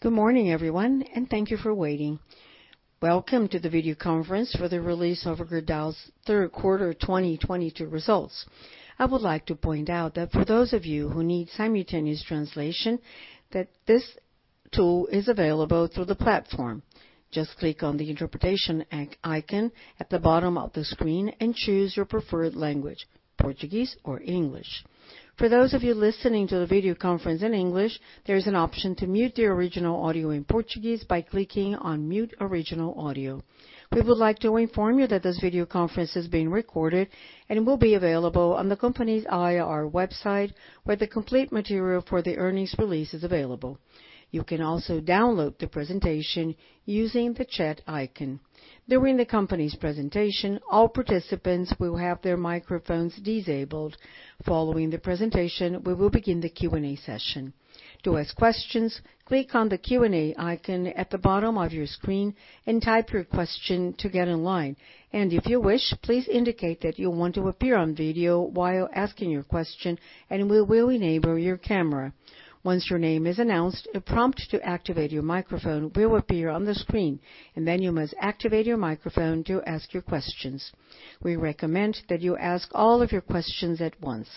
Good morning, everyone, and thank you for waiting. Welcome to the video conference for the release of Gerdau's Q3 2022 results. I would like to point out that for those of you who need simultaneous translation, that this tool is available through the platform. Just click on the interpretation icon at the bottom of the screen and choose your preferred language, Portuguese or English. For those of you listening to the video conference in English, there is an option to mute the original audio in Portuguese by clicking on Mute Original Audio. We would like to inform you that this video conference is being recorded and will be available on the company's IR website, where the complete material for the earnings release is available. You can also download the presentation using the chat icon. During the company's presentation, all participants will have their microphones disabled. Following the presentation, we will begin the Q&A session. To ask questions, click on the Q&A icon at the bottom of your screen and type your question to get in line. If you wish, please indicate that you want to appear on video while asking your question, and we will enable your camera. Once your name is announced, a prompt to activate your microphone will appear on the screen, and then you must activate your microphone to ask your questions. We recommend that you ask all of your questions at once.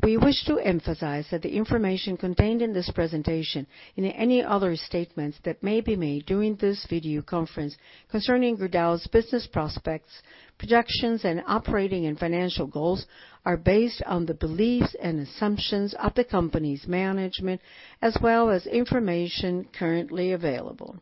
We wish to emphasize that the information contained in this presentation and any other statements that may be made during this video conference concerning Gerdau's business prospects, projections, and operating and financial goals are based on the beliefs and assumptions of the company's management as well as information currently available.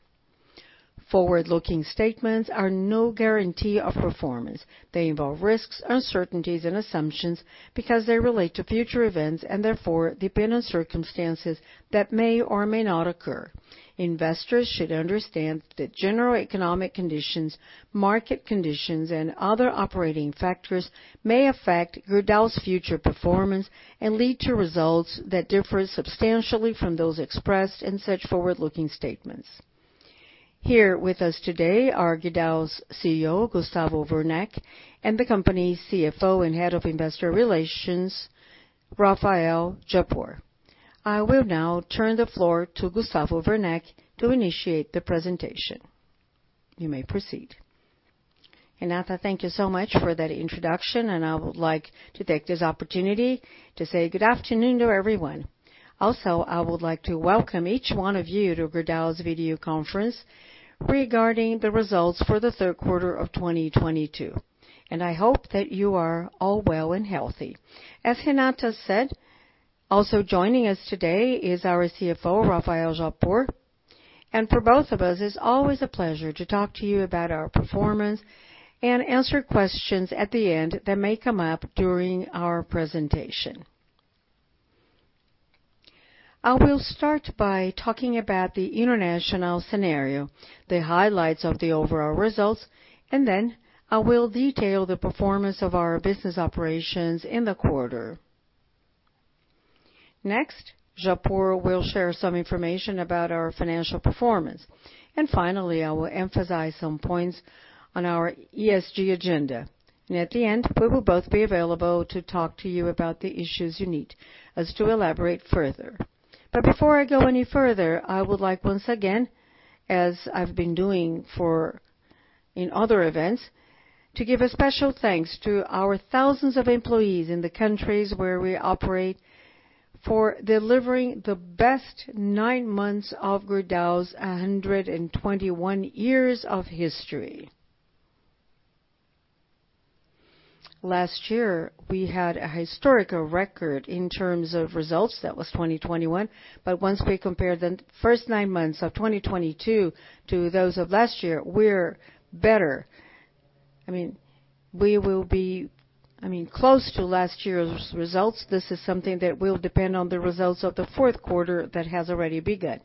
Forward-looking statements are no guarantee of performance. They involve risks, uncertainties, and assumptions because they relate to future events and therefore depend on circumstances that may or may not occur. Investors should understand that general economic conditions, market conditions, and other operating factors may affect Gerdau's future performance and lead to results that differ substantially from those expressed in such forward-looking statements. Here with us today are Gerdau's CEO, Gustavo Werneck, and the company's CFO and Head of Investor Relations, Rafael Japur. I will now turn the floor to Gustavo Werneck to initiate the presentation. You may proceed. Renata, thank you so much for that introduction, and I would like to take this opportunity to say good afternoon to everyone. Also, I would like to welcome each one of you to Gerdau's video conference regarding the results for the Q3 of 2022, and I hope that you are all well and healthy. As Renata said, also joining us today is our CFO, Rafael Japur. For both of us, it's always a pleasure to talk to you about our performance and answer questions at the end that may come up during our presentation. I will start by talking about the international scenario, the highlights of the overall results, and then I will detail the performance of our business operations in the quarter. Next, Japur will share some information about our financial performance. Finally, I will emphasize some points on our ESG agenda. At the end, we will both be available to talk to you about the issues you need us to elaborate further. Before I go any further, I would like, once again, as I've been doing in other events, to give a special thanks to our thousands of employees in the countries where we operate for delivering the best nine months of Gerdau's 121 years of history. Last year, we had a historical record in terms of results. That was 2021. Once we compare the first nine months of 2022 to those of last year, we're better. I mean, we will be, I mean, close to last year's results. This is something that will depend on the results of the Q4 that has already begun.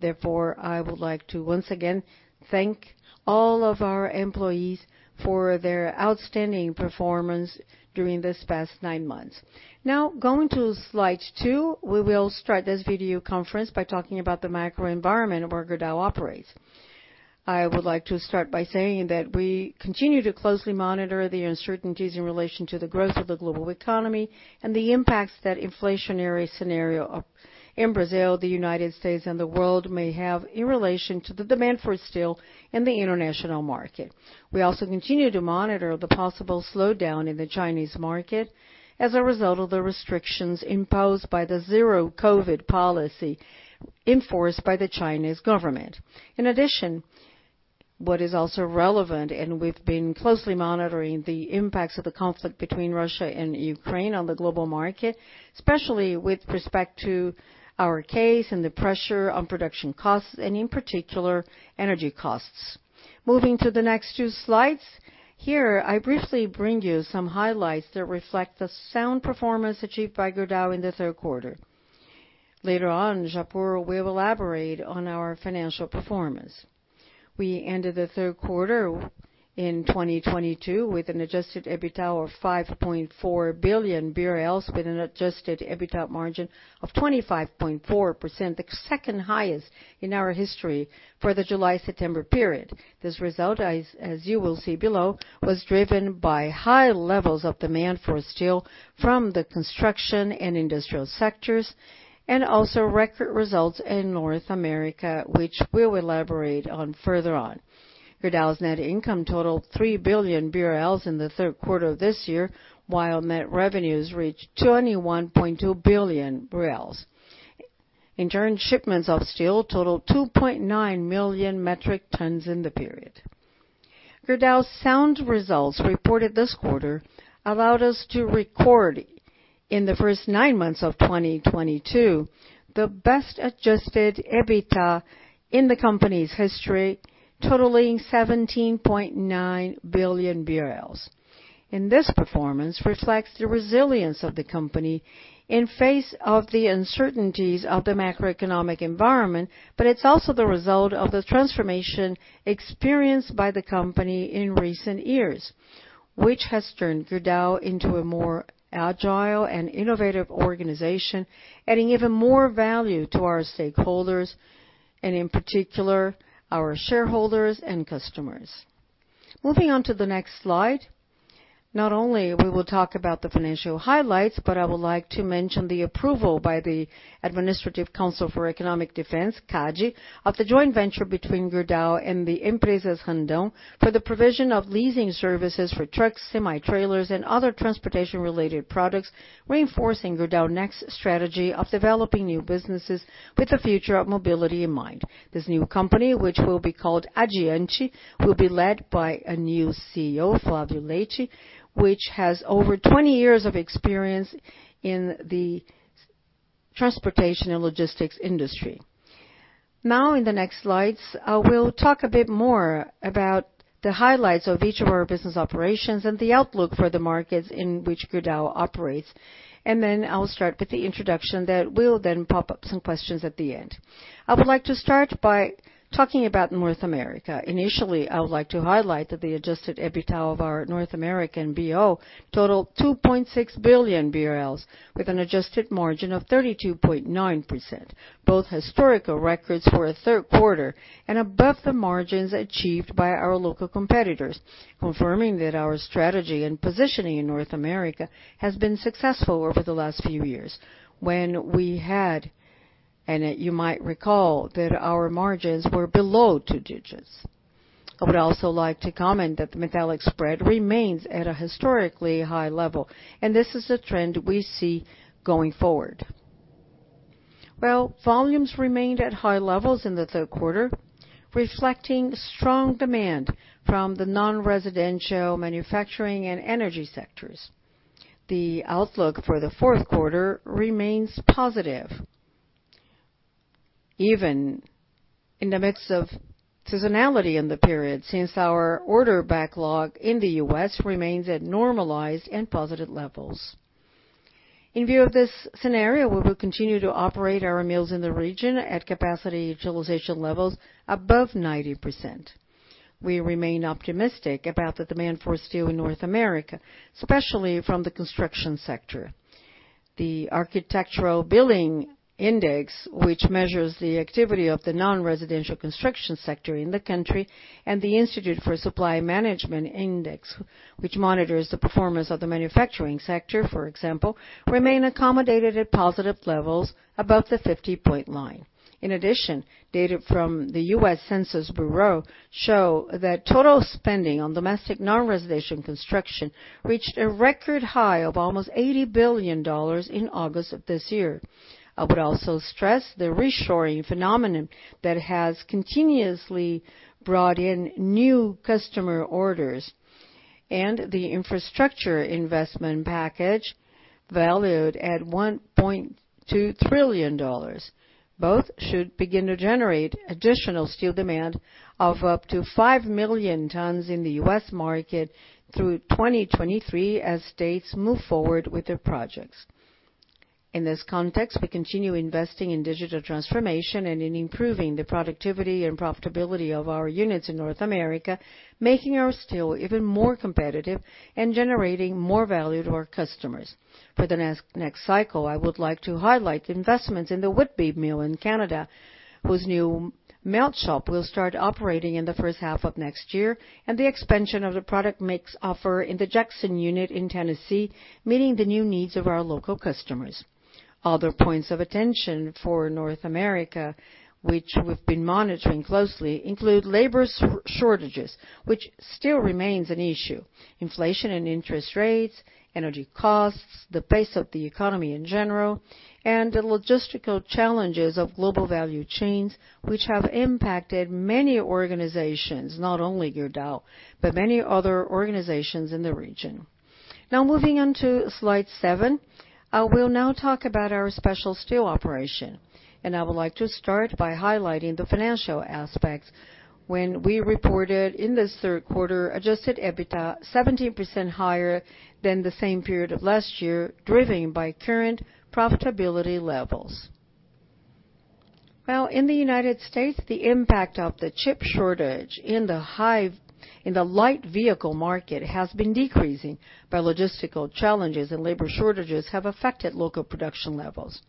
Therefore, I would like to once again thank all of our employees for their outstanding performance during this past nine months. Now, going to slide two, we will start this video conference by talking about the microenvironment where Gerdau operates. I would like to start by saying that we continue to closely monitor the uncertainties in relation to the growth of the global economy and the impacts that inflationary scenario in Brazil, the United States, and the world may have in relation to the demand for steel in the international market. We also continue to monitor the possible slowdown in the Chinese market as a result of the restrictions imposed by the zero-COVID policy enforced by the Chinese government. In addition, what is also relevant, and we've been closely monitoring the impacts of the conflict between Russia and Ukraine on the global market, especially with respect to our case and the pressure on production costs and, in particular, energy costs. Moving to the next two slides, here I briefly bring you some highlights that reflect the sound performance achieved by Gerdau in the Q3. Later on, Japur will elaborate on our financial performance. We ended the Q3 in 2022 with an adjusted EBITDA of 5.4 billion BRL, with an adjusted EBITDA margin of 25.4%, the second highest in our history for the July-September period. This result, as you will see below, was driven by high levels of demand for steel from the construction and industrial sectors, and also record results in North America, which we'll elaborate on further on. Gerdau's net income totaled 3 billion BRL in the Q3 of this year, while net revenues reached 21.2 billion BRL. In turn, shipments of steel totaled 2.9 million metric tons in the period. Gerdau's sound results reported this quarter allowed us to record in the first nine months of 2022, the best adjusted EBITDA in the company's history, totaling 17.9 billion. This performance reflects the resilience of the company in the face of the uncertainties of the macroeconomic environment, but it's also the result of the transformation experienced by the company in recent years, which has turned Gerdau into a more agile and innovative organization, adding even more value to our stakeholders, and in particular, our shareholders and customers. Moving on to the next slide. Not only we will talk about the financial highlights, but I would like to mention the approval by the Administrative Council for Economic Defense, CADE, of the joint venture between Gerdau and the Empresas Randon for the provision of leasing services for trucks, semi-trailers, and other transportation-related products, reinforcing Gerdau Next strategy of developing new businesses with the future of mobility in mind. This new company, which will be called Addiante, will be led by a new CEO, Flavio Leite, which has over 20 years of experience in the transportation and logistics industry. Now in the next slides, I will talk a bit more about the highlights of each of our business operations and the outlook for the markets in which Gerdau operates. I'll start with the introduction that will then pop up some questions at the end. I would like to start by talking about North America. Initially, I would like to highlight that the adjusted EBITDA of our North American BO totaled 2.6 billion BRL, with an adjusted margin of 32.9%, both historical records for a Q3 and above the margins achieved by our local competitors, confirming that our strategy and positioning in North America has been successful over the last few years, when we had, and you might recall, that our margins were below two digits. I would also like to comment that the metallic spread remains at a historically high level, and this is a trend we see going forward. Well, volumes remained at high levels in the Q3, reflecting strong demand from the non-residential manufacturing and energy sectors. The outlook for the Q4 remains positive. Even in the midst of seasonality in the period, since our order backlog in the U.S. Remains at normalized and positive levels. In view of this scenario, we will continue to operate our mills in the region at capacity utilization levels above 90%. We remain optimistic about the demand for steel in North America, especially from the construction sector. The Architecture Billings Index, which measures the activity of the non-residential construction sector in the country, and the ISM Manufacturing Purchasing Managers' Index (PMI), which monitors the performance of the manufacturing sector, for example, remain accommodated at positive levels above the 50-point line. In addition, data from the U.S. Census Bureau show that total spending on domestic non-residential construction reached a record high of almost $80 billion in August of this year. I would also stress the reshoring phenomenon that has continuously brought in new customer orders and the infrastructure investment package valued at $1.2 trillion. Both should begin to generate additional steel demand of up to 5 million tons in the U.S. market through 2023 as states move forward with their projects. In this context, we continue investing in digital transformation and in improving the productivity and profitability of our units in North America, making our steel even more competitive and generating more value to our customers. For the next cycle, I would like to highlight the investments in the Whitby mill in Canada, whose new melt shop will start operating in the first half of next year, and the expansion of the product mix offer in the Jackson unit in Tennessee, meeting the new needs of our local customers. Other points of attention for North America, which we've been monitoring closely, include labor shortages, which still remains an issue, inflation and interest rates, energy costs, the pace of the economy in general, and the logistical challenges of global value chains, which have impacted many organizations, not only Gerdau, but many other organizations in the region. Now moving on to slide 7. I will now talk about our special steel operation, and I would like to start by highlighting the financial aspects when we reported in this Q3, adjusted EBITDA 17% higher than the same period of last year, driven by current profitability levels. Well, in the United States, the impact of the chip shortage in the light vehicle market has been decreasing, but logistical challenges and labor shortages have affected local production levels.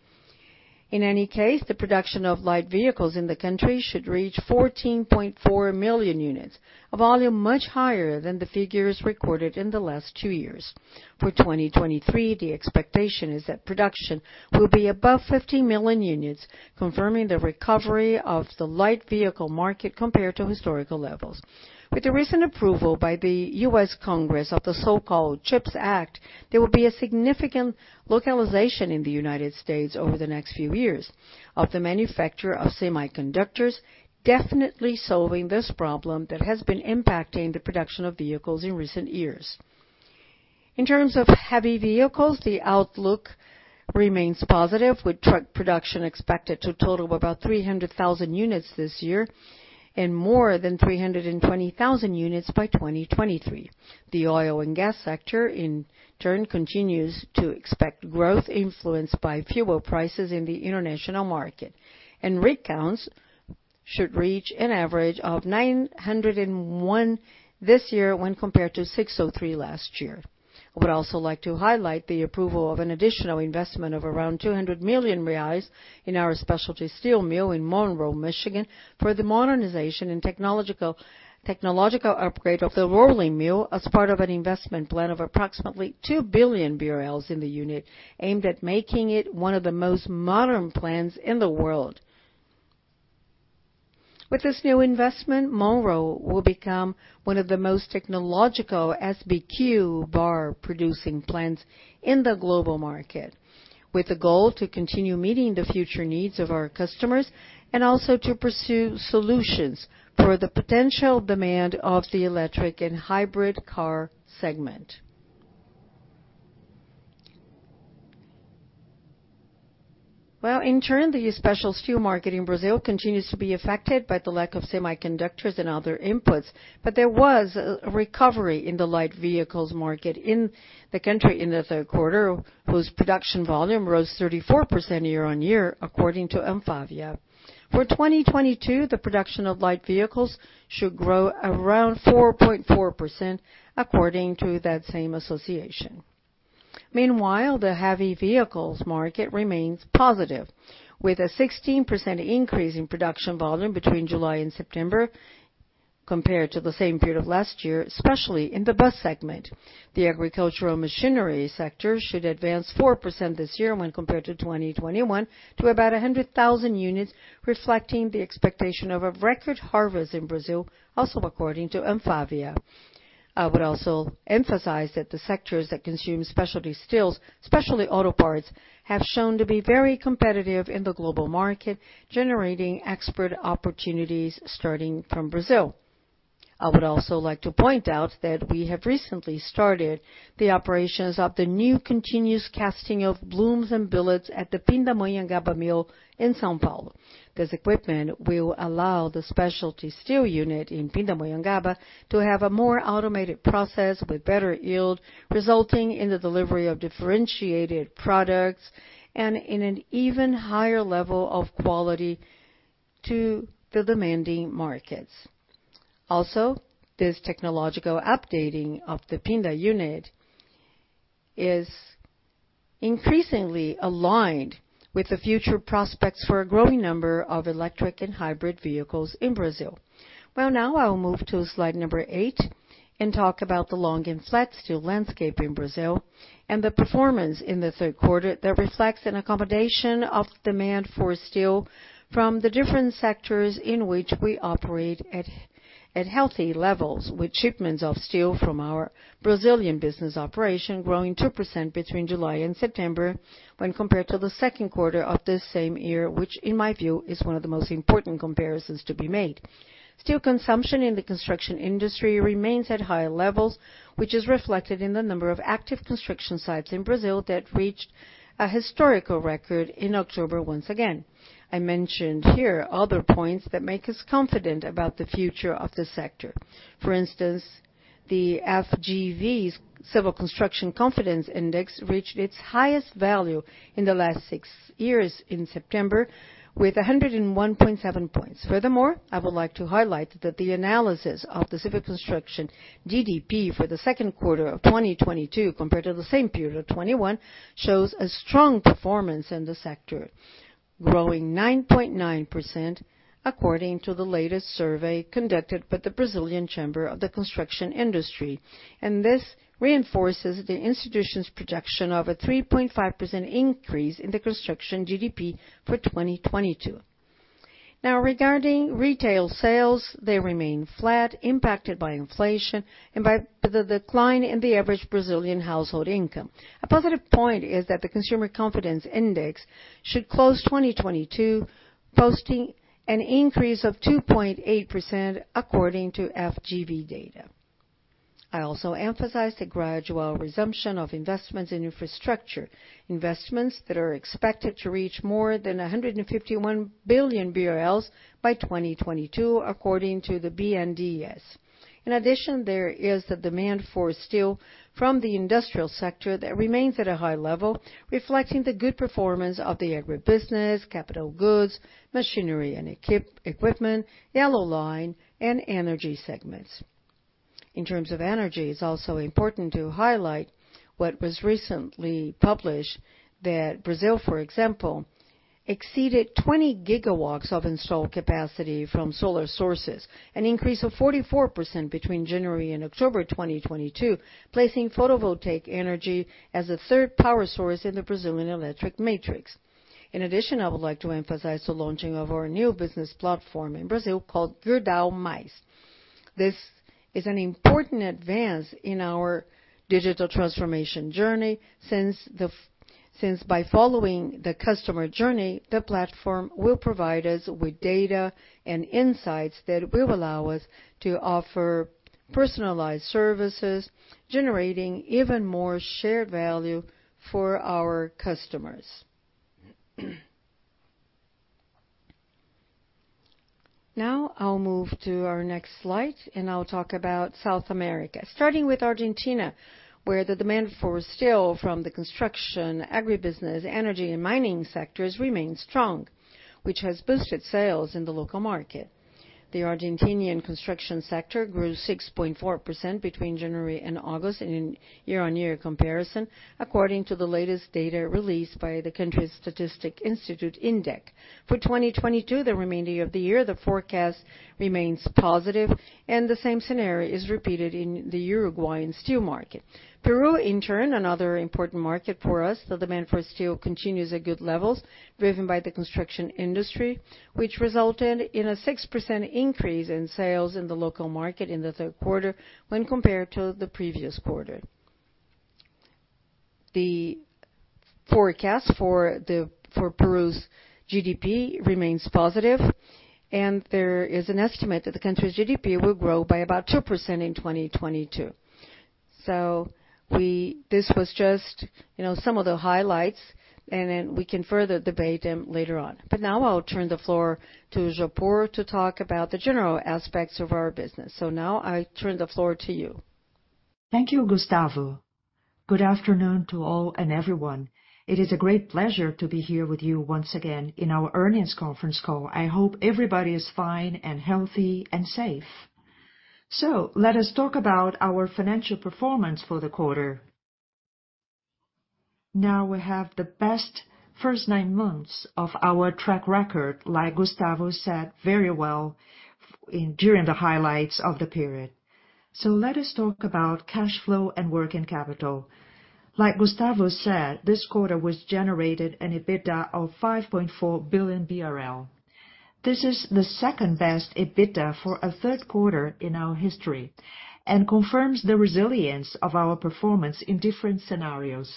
In any case, the production of light vehicles in the country should reach 14.4 million units, a volume much higher than the figures recorded in the last two years. For 2023, the expectation is that production will be above 50 million units, confirming the recovery of the light vehicle market compared to historical levels. With the recent approval by the U.S. Congress of the so-called CHIPS Act, there will be a significant localization in the United States over the next few years of the manufacture of semiconductors, definitely solving this problem that has been impacting the production of vehicles in recent years. In terms of heavy vehicles, the outlook remains positive, with truck production expected to total about 300,000 units this year and more than 320,000 units by 2023. The oil and gas sector, in turn, continues to expect growth influenced by fuel prices in the international market. Rig counts should reach an average of 901 this year when compared to 603 last year. I would also like to highlight the approval of an additional investment of around 200 million reais in our specialty steel mill in Monroe, Michigan, for the modernization and technological upgrade of the rolling mill as part of an investment plan of approximately 2 billion BRL in the unit, aimed at making it one of the most modern plants in the world. With this new investment, Monroe will become one of the most technological SBQ bar-producing plants in the global market, with the goal to continue meeting the future needs of our customers and also to pursue solutions for the potential demand of the electric and hybrid car segment. Well, in turn, the special steel market in Brazil continues to be affected by the lack of semiconductors and other inputs. There was a recovery in the light vehicles market in the country in the Q3, whose production volume rose 34% year-over-year, according to ANFAVEA. For 2022, the production of light vehicles should grow around 4.4%, according to that same association. Meanwhile, the heavy vehicles market remains positive, with a 16% increase in production volume between July and September compared to the same period of last year, especially in the bus segment. The agricultural machinery sector should advance 4% this year when compared to 2021 to about 100,000 units, reflecting the expectation of a record harvest in Brazil, also according to ANFAVEA. I would also emphasize that the sectors that consume specialty steels, especially auto parts, have shown to be very competitive in the global market, generating export opportunities starting from Brazil. I would also like to point out that we have recently started the operations of the new continuous casting of blooms and billets at the Pindamonhangaba mill in São Paulo. This equipment will allow the specialty steel unit in Pindamonhangaba to have a more automated process with better yield, resulting in the delivery of differentiated products and in an even higher level of quality to the demanding markets. Also, this technological updating of the Pinda unit is increasingly aligned with the future prospects for a growing number of electric and hybrid vehicles in Brazil. Well, now I will move to slide number 8 and talk about the long and flat steel landscape in Brazil and the performance in the Q3 that reflects an accommodation of demand for steel from the different sectors in which we operate at healthy levels, with shipments of steel from our Brazilian business operation growing 2% between July and September when compared to the Q2 of this same year, which, in my view, is one of the most important comparisons to be made. Steel consumption in the construction industry remains at high levels, which is reflected in the number of active construction sites in Brazil that reached a historical record in October once again. I mentioned here other points that make us confident about the future of this sector. For instance, the FGV's Civil Construction Confidence Index reached its highest value in the last 6 years in September with 101.7 points. Furthermore, I would like to highlight that the analysis of the civil construction GDP for the Q2 of 2022 compared to the same period of 2021 shows a strong performance in the sector, growing 9.9% according to the latest survey conducted by the Brazilian Chamber of the Construction Industry. This reinforces the institution's projection of a 3.5% increase in the construction GDP for 2022. Now regarding retail sales, they remain flat, impacted by inflation and by the decline in the average Brazilian household income. A positive point is that the Consumer Confidence Index should close 2022 posting an increase of 2.8% according to FGV data. I also emphasize the gradual resumption of investments in infrastructure, investments that are expected to reach more than 151 billion BRL by 2022, according to the BNDES. In addition, there is the demand for steel from the industrial sector that remains at a high level, reflecting the good performance of the agribusiness, capital goods, machinery and equipment, yellow line and energy segments. In terms of energy, it's also important to highlight what was recently published that Brazil, for example, exceeded 20 GW of installed capacity from solar sources, an increase of 44% between January and October 2022, placing photovoltaic energy as the third power source in the Brazilian electric matrix. In addition, I would like to emphasize the launching of our new business platform in Brazil called Gerdau Mais. This is an important advance in our digital transformation journey since by following the customer journey, the platform will provide us with data and insights that will allow us to offer personalized services, generating even more shared value for our customers. Now I'll move to our next slide, and I'll talk about South America. Starting with Argentina, where the demand for steel from the construction, agribusiness, energy, and mining sectors remains strong, which has boosted sales in the local market. The Argentine construction sector grew 6.4% between January and August in a year-on-year comparison, according to the latest data released by the National Statistics Institute INDEC. For 2022, the remainder of the year, the forecast remains positive, and the same scenario is repeated in the Uruguayan steel market. Peru, in turn, another important market for us, the demand for steel continues at good levels, driven by the construction industry, which resulted in a 6% increase in sales in the local market in the Q3 when compared to the previous quarter. The forecast for Peru's GDP remains positive, and there is an estimate that the country's GDP will grow by about 2% in 2022. This was just, you know, some of the highlights, and then we can further debate them later on. Now I'll turn the floor to Rafael Japur to talk about the general aspects of our business. Now I turn the floor to you. Thank you, Gustavo. Good afternoon to all and everyone. It is a great pleasure to be here with you once again in our earnings conference call. I hope everybody is fine and healthy and safe. Let us talk about our financial performance for the quarter. Now we have the best first nine months of our track record, like Gustavo said very well during the highlights of the period. Let us talk about cash flow and working capital. Like Gustavo said, this quarter was generated an EBITDA of 5.4 billion BRL. This is the second-best EBITDA for a Q3 in our history and confirms the resilience of our performance in different scenarios.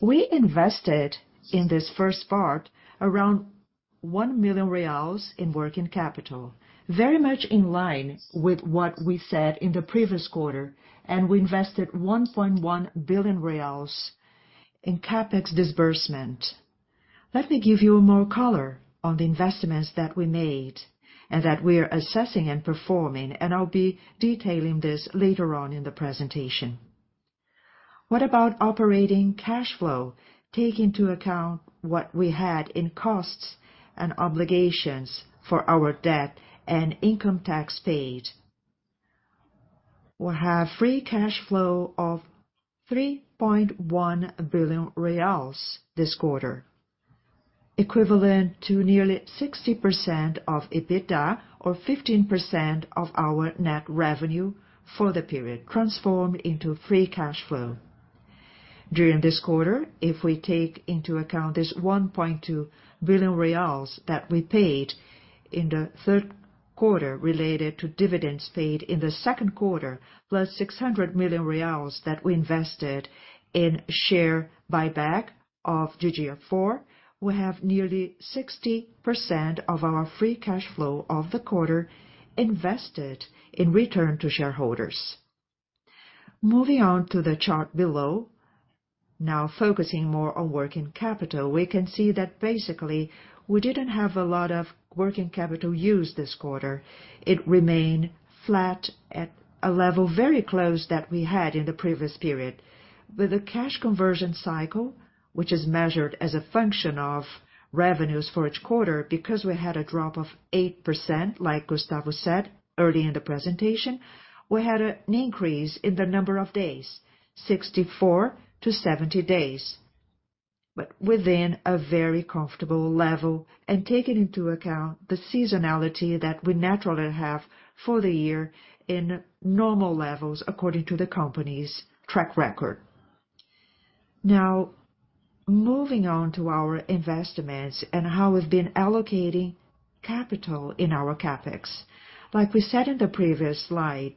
We invested in this first part around 1 million reais in working capital, very much in line with what we said in the previous quarter, and we invested 1.1 billion reais in CapEx disbursement. Let me give you more color on the investments that we made and that we're assessing and performing, and I'll be detailing this later on in the presentation. What about operating cash flow? Take into account what we had in costs and obligations for our debt and income tax paid. We have free cash flow of 3.1 billion reais this quarter, equivalent to nearly 60% of EBITDA or 15% of our net revenue for the period transformed into free cash flow. During this quarter, if we take into account this 1.2 billion reais that we paid in the Q3 related to dividends paid in the Q2, plus 600 million reais that we invested in share buyback of GGBR4, we have nearly 60% of our free cash flow of the quarter invested in return to shareholders. Moving on to the chart below, now focusing more on working capital, we can see that basically we didn't have a lot of working capital used this quarter. It remained flat at a level very close that we had in the previous period. With the cash conversion cycle, which is measured as a function of revenues for each quarter, because we had a drop of 8%, like Gustavo said early in the presentation, we had an increase in the number of days, 64-70 days, but within a very comfortable level and taking into account the seasonality that we naturally have for the year in normal levels according to the company's track record. Now, moving on to our investments and how we've been allocating capital in our CapEx. Like we said in the previous slide,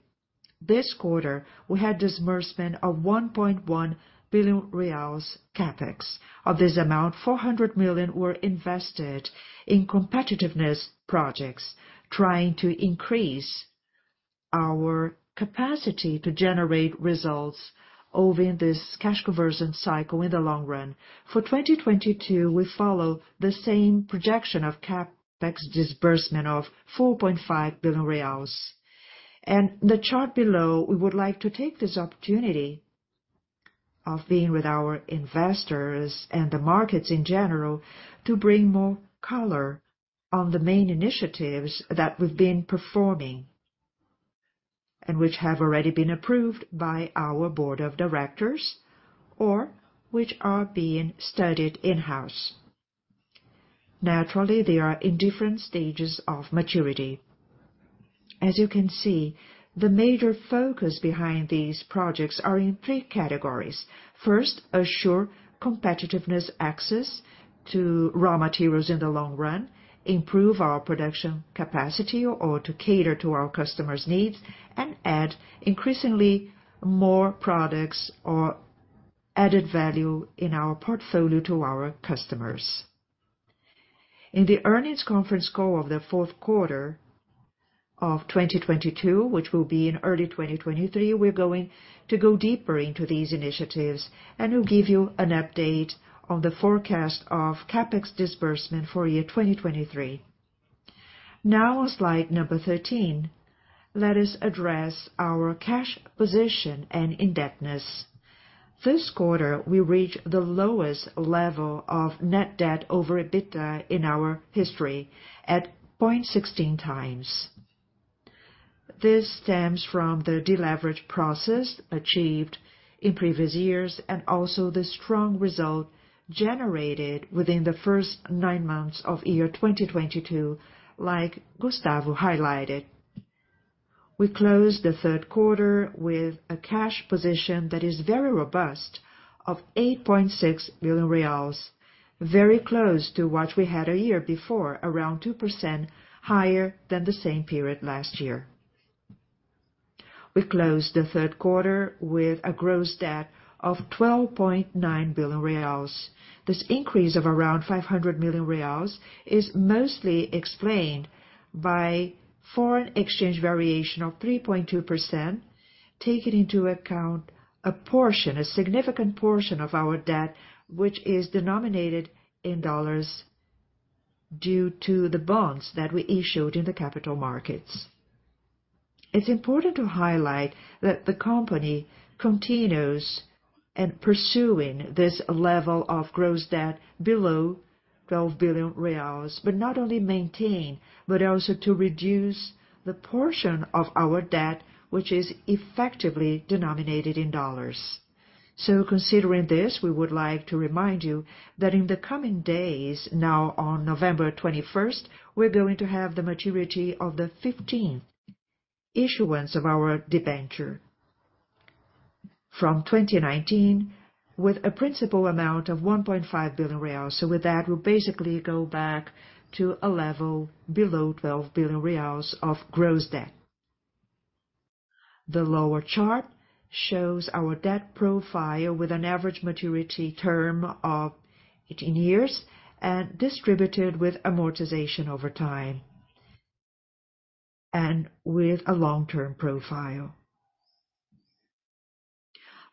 this quarter, we had disbursement of 1.1 billion reais CapEx. Of this amount, 400 million were invested in competitiveness projects, trying to increase our capacity to generate results over in this cash conversion cycle in the long run. For 2022, we follow the same projection of CapEx disbursement of 4.5 billion reais. The chart below, we would like to take this opportunity of being with our investors and the markets in general to bring more color on the main initiatives that we've been performing, and which have already been approved by our board of directors, or which are being studied in-house. Naturally, they are in different stages of maturity. As you can see, the major focus behind these projects are in three categories. First, ensure competitive access to raw materials in the long run, improve our production capacity or to cater to our customers' needs, and add increasingly more products or added value in our portfolio to our customers. In the earnings conference call of the Q4 of 2022, which will be in early 2023, we're going to go deeper into these initiatives, and we'll give you an update on the forecast of CapEx disbursement for year 2023. Now slide 13, let us address our cash position and indebtedness. This quarter, we reached the lowest level of net debt over EBITDA in our history at 0.16x. This stems from the deleverage process achieved in previous years and also the strong result generated within the first 9 months of year 2022, like Gustavo highlighted. We closed the Q3 with a cash position that is very robust of 8.6 billion reais, very close to what we had a year before, around 2% higher than the same period last year. We closed the Q3 with a gross debt of 12.9 billion reais. This increase of around 500 million reais is mostly explained by foreign exchange variation of 3.2%, taking into account a portion, a significant portion of our debt, which is denominated in dollars due to the bonds that we issued in the capital markets. It's important to highlight that the company continues to pursue this level of gross debt below 12 billion reais, but not only to maintain, but also to reduce the portion of our debt, which is effectively denominated in dollars. Considering this, we would like to remind you that in the coming days, now on November twenty-first, we're going to have the maturity of the fifteenth issuance of our debenture from 2019 with a principal amount of 1.5 billion reais. With that, we'll basically go back to a level below 12 billion reais of gross debt. The lower chart shows our debt profile with an average maturity term of 18 years and distributed with amortization over time and with a long-term profile.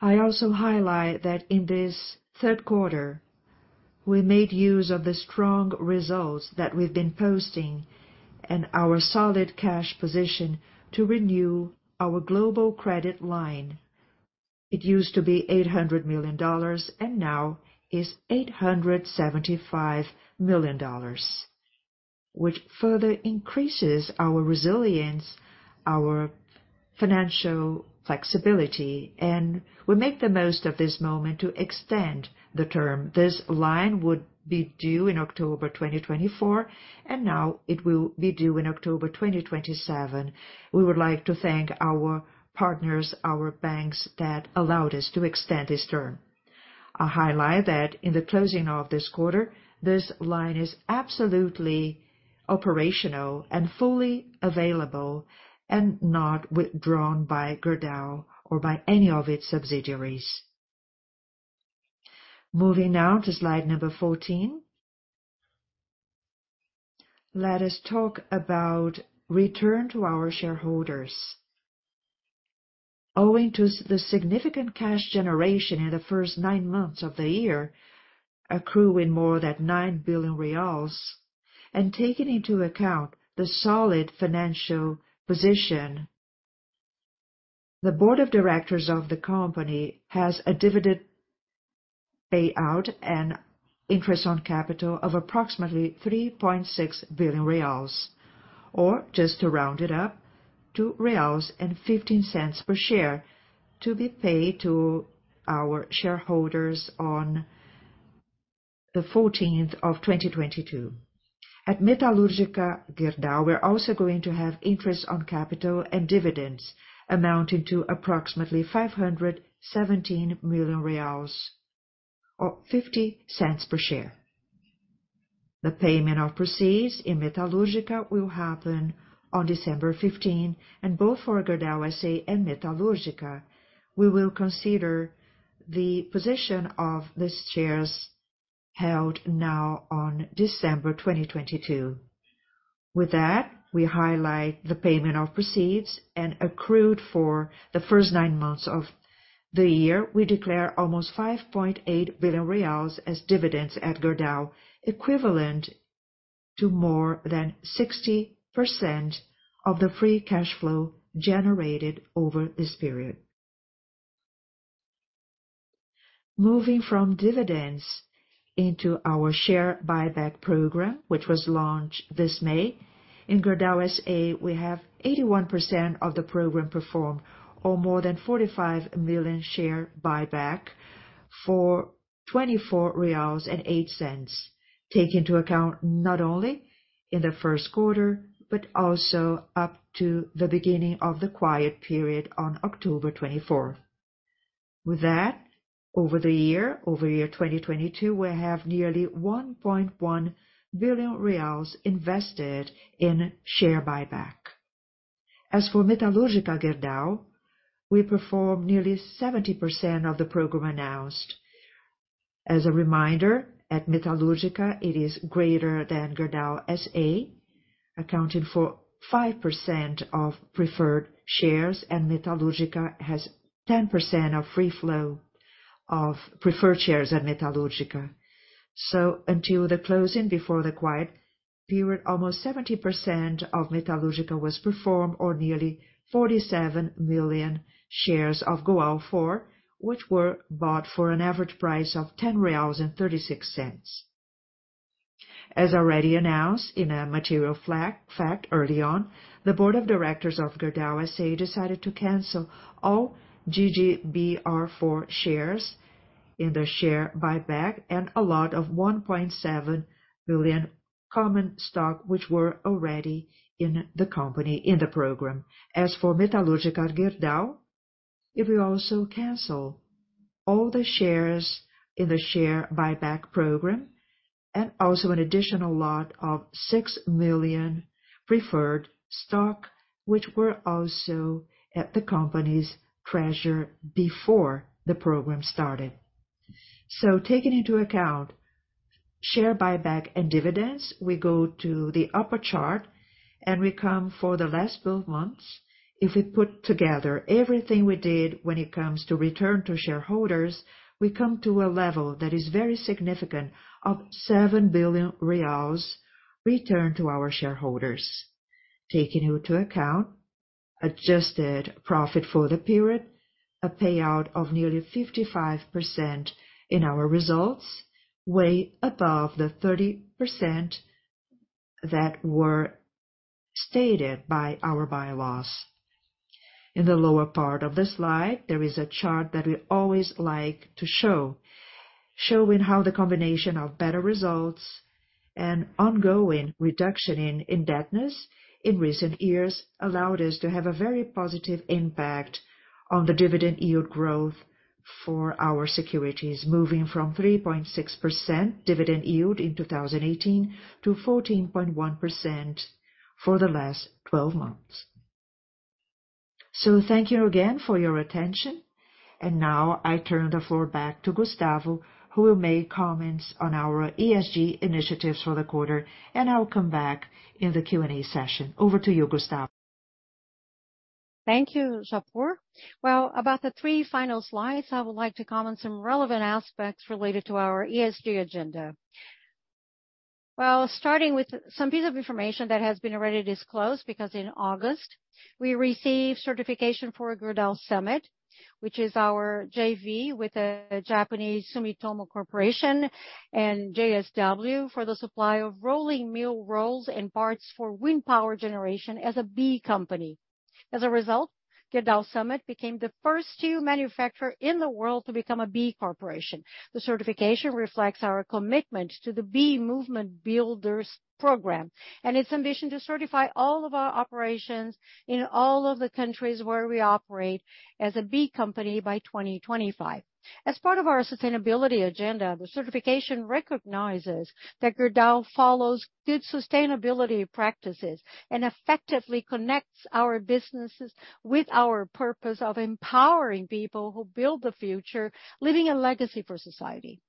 I also highlight that in this Q3, we made use of the strong results that we've been posting and our solid cash position to renew our global credit line. It used to be $800 million and now is $875 million, which further increases our resilience, our financial flexibility, and we make the most of this moment to extend the term. This line would be due in October 2024, and now it will be due in October 2027. We would like to thank our partners, our banks that allowed us to extend this term. I highlight that in the closing of this quarter, this line is absolutely operational and fully available and not withdrawn by Gerdau or by any of its subsidiaries. Moving now to slide number 14. Let us talk about return to our shareholders. Owing to the significant cash generation in the first 9 months of the year, accruing more than 9 billion reais, and taking into account the solid financial position, the board of directors of the company has a dividend payout and interest on capital of approximately 3.6 billion reais. Just to round it up to 3.15 per share to be paid to our shareholders on the 14th of 2022. At Metalurgica Gerdau S.A., we're also going to have interest on capital and dividends amounting to approximately 517 million reais or 0.50 per share. The payment of proceeds in Metalurgica Gerdau S.A. will happen on December 15. Both for Gerdau S.A. and Metalurgica Gerdau S.A., we will consider the position of the shares held now on December 2022. With that, we highlight the payment of proceeds and accrued for the first nine months of the year. We declare almost 5.8 billion reais as dividends at Gerdau, equivalent to more than 60% of the free cash flow generated over this period. Moving from dividends into our share buyback program, which was launched this May. In Gerdau S.A. we have 81% of the program performed, or more than 45 million share buyback for BRL 24.08. Take into account not only in the Q1, but also up to the beginning of the quiet period on October twenty-fourth. With that, over the year-over-year 2022, we have nearly 1.1 billion reais invested in share buyback. As for Metalurgica Gerdau, we performed nearly 70% of the program announced. As a reminder, at Metalurgica it is greater than Gerdau S.A., accounting for 5% of preferred shares, and Metalurgica has 10% of free float of preferred shares at Metalurgica. Until the closing, before the quiet period, almost 70% of Metalurgica was performed or nearly 47 million shares of GOAU4, which were bought for an average price of 10.36 reais. As already announced in a material fact early on, the board of directors of Gerdau S.A. decided to cancel all GGBR4 shares in the share buyback and a lot of 1.7 billion common stock, which were already in the company in the program. As for Metalurgica Gerdau, it will also cancel all the shares in the share buyback program and also an additional lot of 6 million preferred stock, which were also at the company's treasury before the program started. Taking into account share buyback and dividends, we go to the upper chart and we come for the last 12 months. If we put together everything we did when it comes to return to shareholders, we come to a level that is very significant of 7 billion reais returned to our shareholders. Taking into account adjusted profit for the period, a payout of nearly 55% in our results, way above the 30% that were stated by our bylaws. In the lower part of this slide, there is a chart that we always like to show. Showing how the combination of better results and ongoing reduction in indebtedness in recent years allowed us to have a very positive impact on the dividend yield growth for our securities, moving from 3.6% dividend yield in 2018 to 14.1% for the last twelve months. Thank you again for your attention. Now I turn the floor back to Gustavo, who will make comments on our ESG initiatives for the quarter, and I'll come back in the Q&A session. Over to you, Gustavo. Thank you, Rafael Japur. Well, about the three final slides, I would like to comment some relevant aspects related to our ESG agenda. Well, starting with some piece of information that has been already disclosed, because in August, we received certification for Gerdau Summit, which is our JV with the Japanese Sumitomo Corporation and JSW for the supply of rolling mill rolls and parts for wind power generation as a B Corporation. As a result, Gerdau Summit became the first steel manufacturer in the world to become a B Corporation. The certification reflects our commitment to the B Movement Builders program and its ambition to certify all of our operations in all of the countries where we operate as a B Corporation by 2025. As part of our sustainability agenda, the certification recognizes that Gerdau follows good sustainability practices and effectively connects our businesses with our purpose of empowering people who build the future, leaving a legacy for society.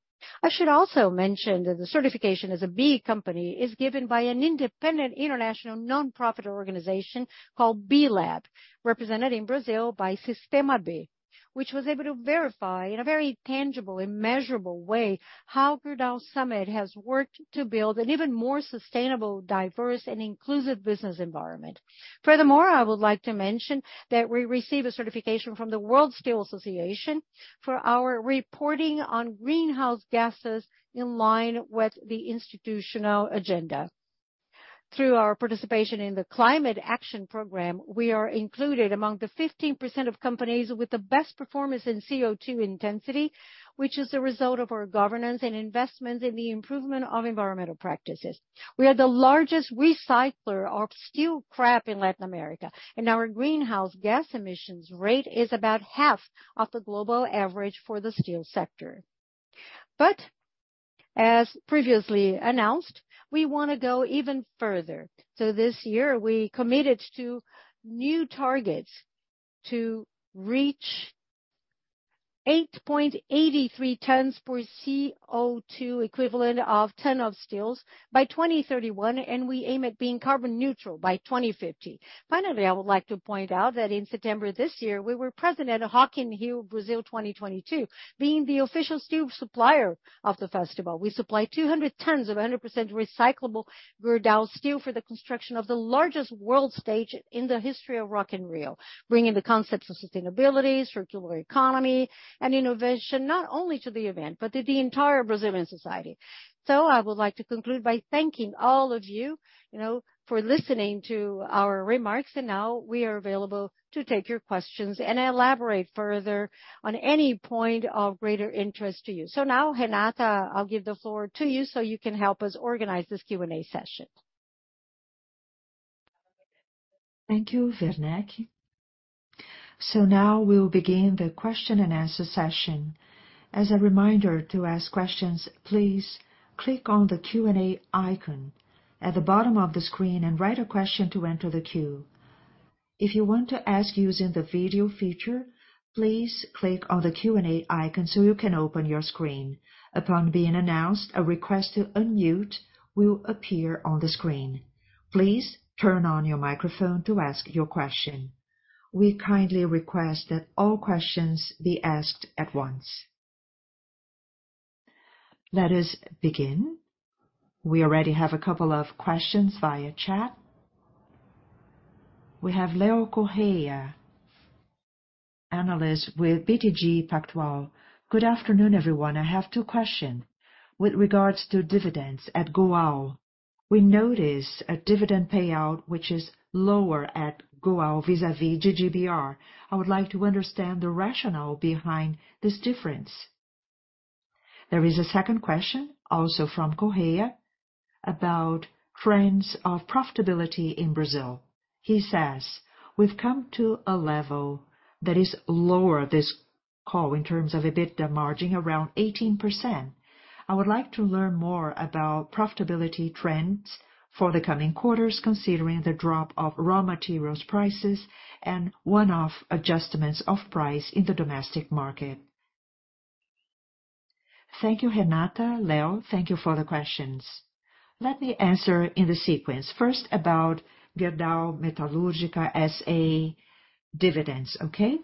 I should also mention that the certification as a B company is given by an independent international nonprofit organization called B Lab, represented in Brazil by Sistema B, which was able to verify in a very tangible and measurable way how Gerdau Summit has worked to build an even more sustainable, diverse, and inclusive business environment. Furthermore, I would like to mention that we received a certification from the World Steel Association for our reporting on greenhouse gases in line with the institutional agenda. Through our participation in the Climate Action Program, we are included among the 15% of companies with the best performance in CO2 intensity, which is a result of our governance and investments in the improvement of environmental practices. We are the largest recycler of steel scrap in Latin America, and our greenhouse gas emissions rate is about half of the global average for the steel sector. As previously announced, we wanna go even further. This year, we committed to new targets to reach 8.83 tons of CO2 equivalent per ton of steel by 2031, and we aim at being carbon neutral by 2050. Finally, I would like to point out that in September this year, we were present at Rock in Rio Brazil 2022, being the official steel supplier of the festival. We supplied 200 tons of 100% recyclable Gerdau steel for the construction of the largest world stage in the history of Rock in Rio, bringing the concept of sustainability, circular economy, and innovation, not only to the event, but to the entire Brazilian society. I would like to conclude by thanking all of you know, for listening to our remarks, and now we are available to take your questions and elaborate further on any point of greater interest to you. Now, Renata, I'll give the floor to you so you can help us organize this Q&A session. Thank you, Werneck. Now we'll begin the question-and-answer session. As a reminder, to ask questions, please click on the Q&A icon at the bottom of the screen and write a question to enter the queue. If you want to ask using the video feature, please click on the Q&A icon so you can open your screen. Upon being announced, a request to unmute will appear on the screen. Please turn on your microphone to ask your question. We kindly request that all questions be asked at once. Let us begin. We already have a couple of questions via chat. We have Leonardo Correa, analyst with BTG Pactual. Good afternoon, everyone. I have two questions. With regards to dividends at GOAU, we notice a dividend payout which is lower at GOAU vis-à-vis GGBR. I would like to understand the rationale behind this difference. There is a second question, also from Correa, about trends of profitability in Brazil. He says, "We've come to a level that is lower this quarter in terms of EBITDA margin, around 18%. I would like to learn more about profitability trends for the coming quarters, considering the drop of raw materials prices and one-off adjustments of price in the domestic market." Thank you, Renata. Leo, thank you for the questions. Let me answer in the sequence. First, about Metalurgica Gerdau S.A. dividends, okay?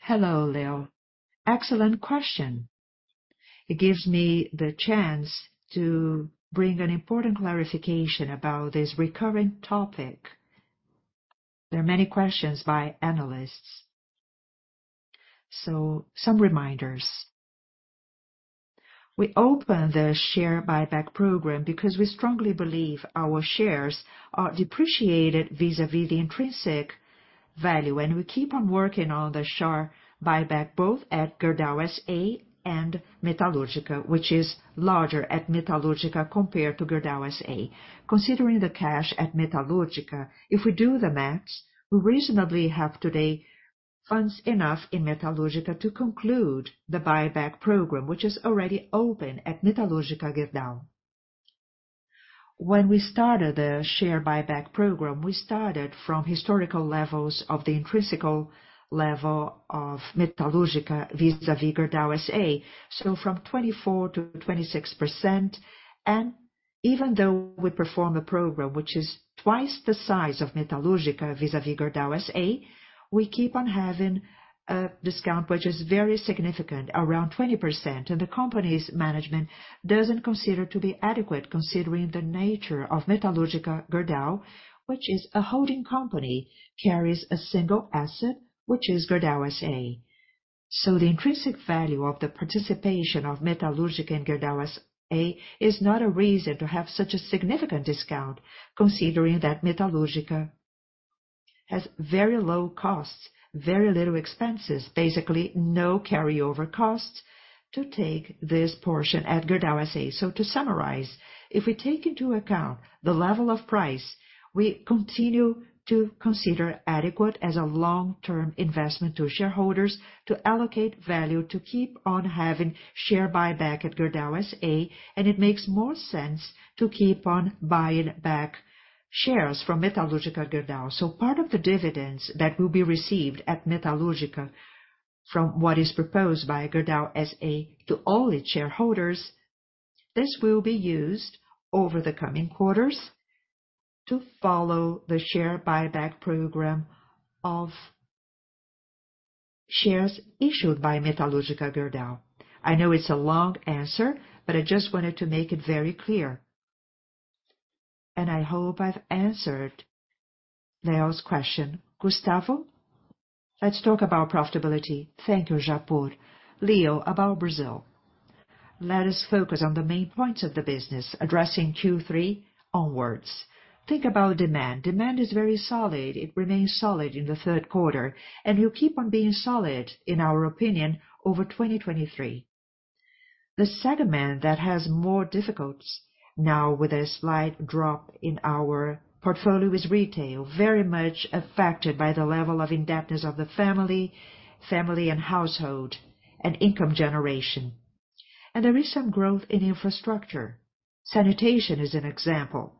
Hello, Leo. Excellent question. It gives me the chance to bring an important clarification about this recurring topic. There are many questions by analysts. Some reminders. We opened the share buyback program because we strongly believe our shares are depreciated vis-à-vis the intrinsic value, and we keep on working on the share buyback, both at Gerdau S.A. and Metalurgica Gerdau S.A., which is larger at Metalurgica Gerdau S.A. compared to Gerdau S.A. Considering the cash at Metalurgica Gerdau S.A., if we do the math, we reasonably have today funds enough in Metalurgica Gerdau S.A. to conclude the buyback program, which is already open at Metalurgica Gerdau S.A. When we started the share buyback program, we started from historical levels of the intrinsic level of Metalurgica Gerdau S.A. vis-à-vis Gerdau S.A. From 24%-26%. Even though we perform a program which is twice the size of Metalurgica Gerdau S.A. vis-à-vis Gerdau S.A., we keep on having a discount which is very significant, around 20%. The company's management doesn't consider to be adequate, considering the nature of Metalurgica Gerdau, which is a holding company, carries a single asset, which is Gerdau S.A. The intrinsic value of the participation of Metalurgica Gerdau in Gerdau S.A. is not a reason to have such a significant discount, considering that Metalurgica Gerdau has very low costs, very little expenses, basically no carryover costs to take this portion at Gerdau S.A. To summarize, if we take into account the level of price, we continue to consider adequate as a long-term investment to shareholders to allocate value to keep on having share buyback at Gerdau S.A., and it makes more sense to keep on buying back shares from Metalurgica Gerdau. Part of the dividends that will be received at Metalurgica Gerdau from what is proposed by Gerdau S.A. to all its shareholders, this will be used over the coming quarters to follow the share buyback program of shares issued by Metalurgica Gerdau. I know it's a long answer, but I just wanted to make it very clear. I hope I've answered Leo's question. Gustavo, let's talk about profitability. Thank you, Japur. Leo, about Brazil. Let us focus on the main points of the business, addressing Q3 onwards. Think about demand. Demand is very solid. It remains solid in the Q3, and will keep on being solid, in our opinion, over 2023. The segment that has more difficulties now with a slight drop in our portfolio is retail, very much affected by the level of indebtedness of the family and household, and income generation. There is some growth in infrastructure. Sanitation is an example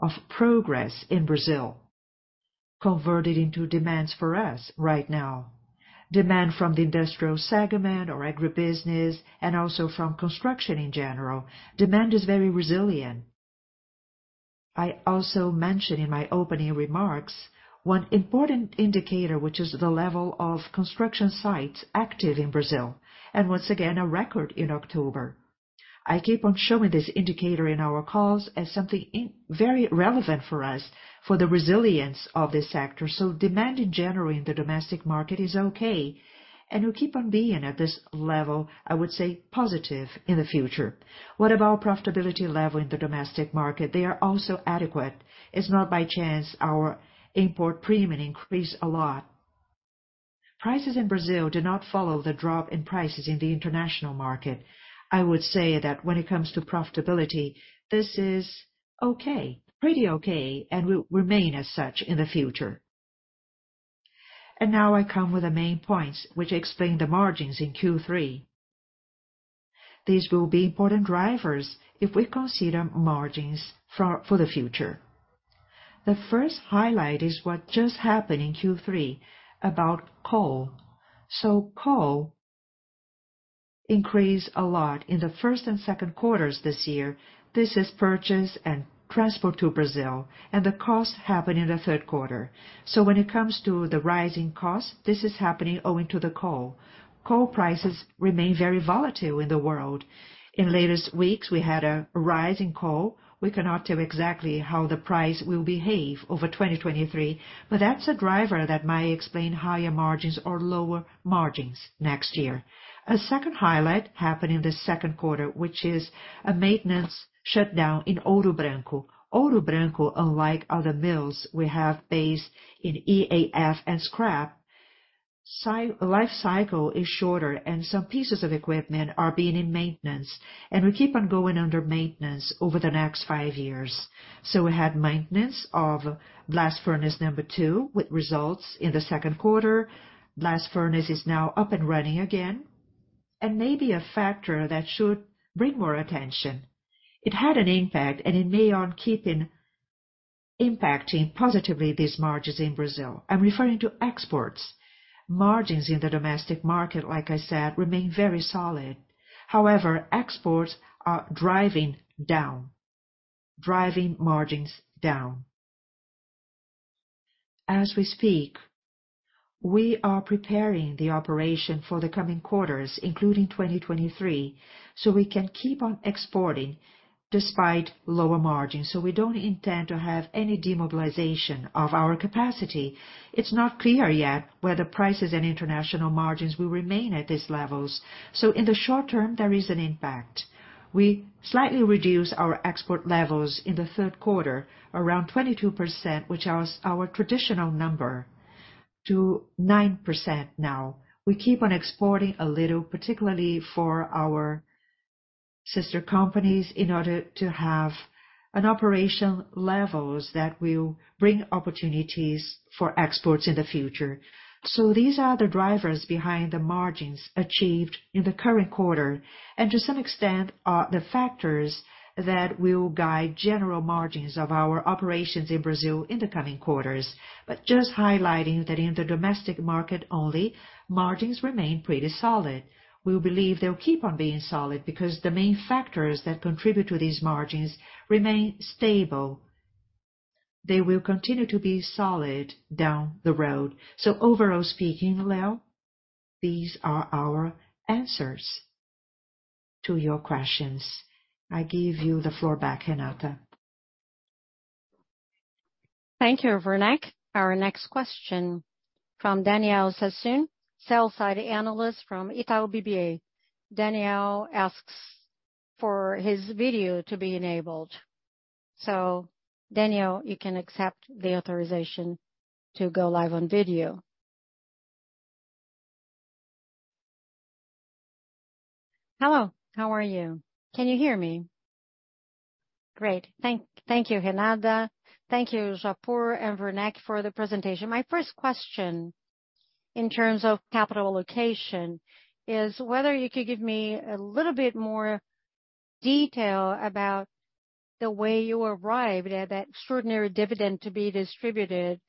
of progress in Brazil, converted into demands for us right now. Demand from the industrial segment or agribusiness and also from construction in general, demand is very resilient. I also mentioned in my opening remarks one important indicator, which is the level of construction sites active in Brazil, and once again, a record in October. I keep on showing this indicator in our calls as something in very relevant for us for the resilience of this sector. Demand in general in the domestic market is okay. We keep on being at this level, I would say, positive in the future. What about profitability level in the domestic market? They are also adequate. It's not by chance our import premium increased a lot. Prices in Brazil do not follow the drop in prices in the international market. I would say that when it comes to profitability, this is okay, pretty okay, and will remain as such in the future. Now I come with the main points which explain the margins in Q3. These will be important drivers if we consider margins for the future. The first highlight is what just happened in Q3 about coal. Coal increased a lot in the Q1 and Q2 this year. This is purchase and transport to Brazil, and the costs happened in the Q3. When it comes to the rising costs, this is happening owing to the coal. Coal prices remain very volatile in the world. In latest weeks, we had a rise in coal. We cannot tell exactly how the price will behave over 2023, but that's a driver that might explain higher margins or lower margins next year. A second highlight happened in the Q2, which is a maintenance shutdown in Ouro Branco. Ouro Branco, unlike other mills we have based on EAF and scrap, the life cycle is shorter, and some pieces of equipment are in maintenance, and we keep undergoing maintenance over the next five years. We had maintenance of blast furnace number two, with results in the Q2. Blast furnace is now up and running again. Maybe a factor that should bring more attention. It had an impact, and it may keep impacting positively these margins in Brazil. I'm referring to exports. Margins in the domestic market, like I said, remain very solid. However, exports are driving down, driving margins down. As we speak, we are preparing the operation for the coming quarters, including 2023, so we can keep on exporting despite lower margins. We don't intend to have any demobilization of our capacity. It's not clear yet whether prices and international margins will remain at these levels. In the short term, there is an impact. We slightly reduced our export levels in the Q3, around 22%, which was our traditional number, to 9% now. We keep on exporting a little, particularly for our sister companies, in order to have operational levels that will bring opportunities for exports in the future. These are the drivers behind the margins achieved in the current quarter. To some extent, are the factors that will guide general margins of our operations in Brazil in the coming quarters. Just highlighting that in the domestic market only, margins remain pretty solid. We believe they'll keep on being solid because the main factors that contribute to these margins remain stable. They will continue to be solid down the road. Overall speaking, Leo, these are our answers to your questions. I give you the floor back, Renata. Thank you, Gustavo Werneck. Our next question from Daniel Sasson, Sell-side Analyst from Itaú BBA. Daniel asks for his video to be enabled. So Daniel, you can accept the authorization to go live on video. Hello, how are you? Can you hear me? Great. Thank you, Renata. Thank you, Rafael Japur and Gustavo Werneck for the presentation. My first question in terms of capital allocation is whether you could give me a little bit more detail about the way you arrived at that extraordinary dividend to be distributed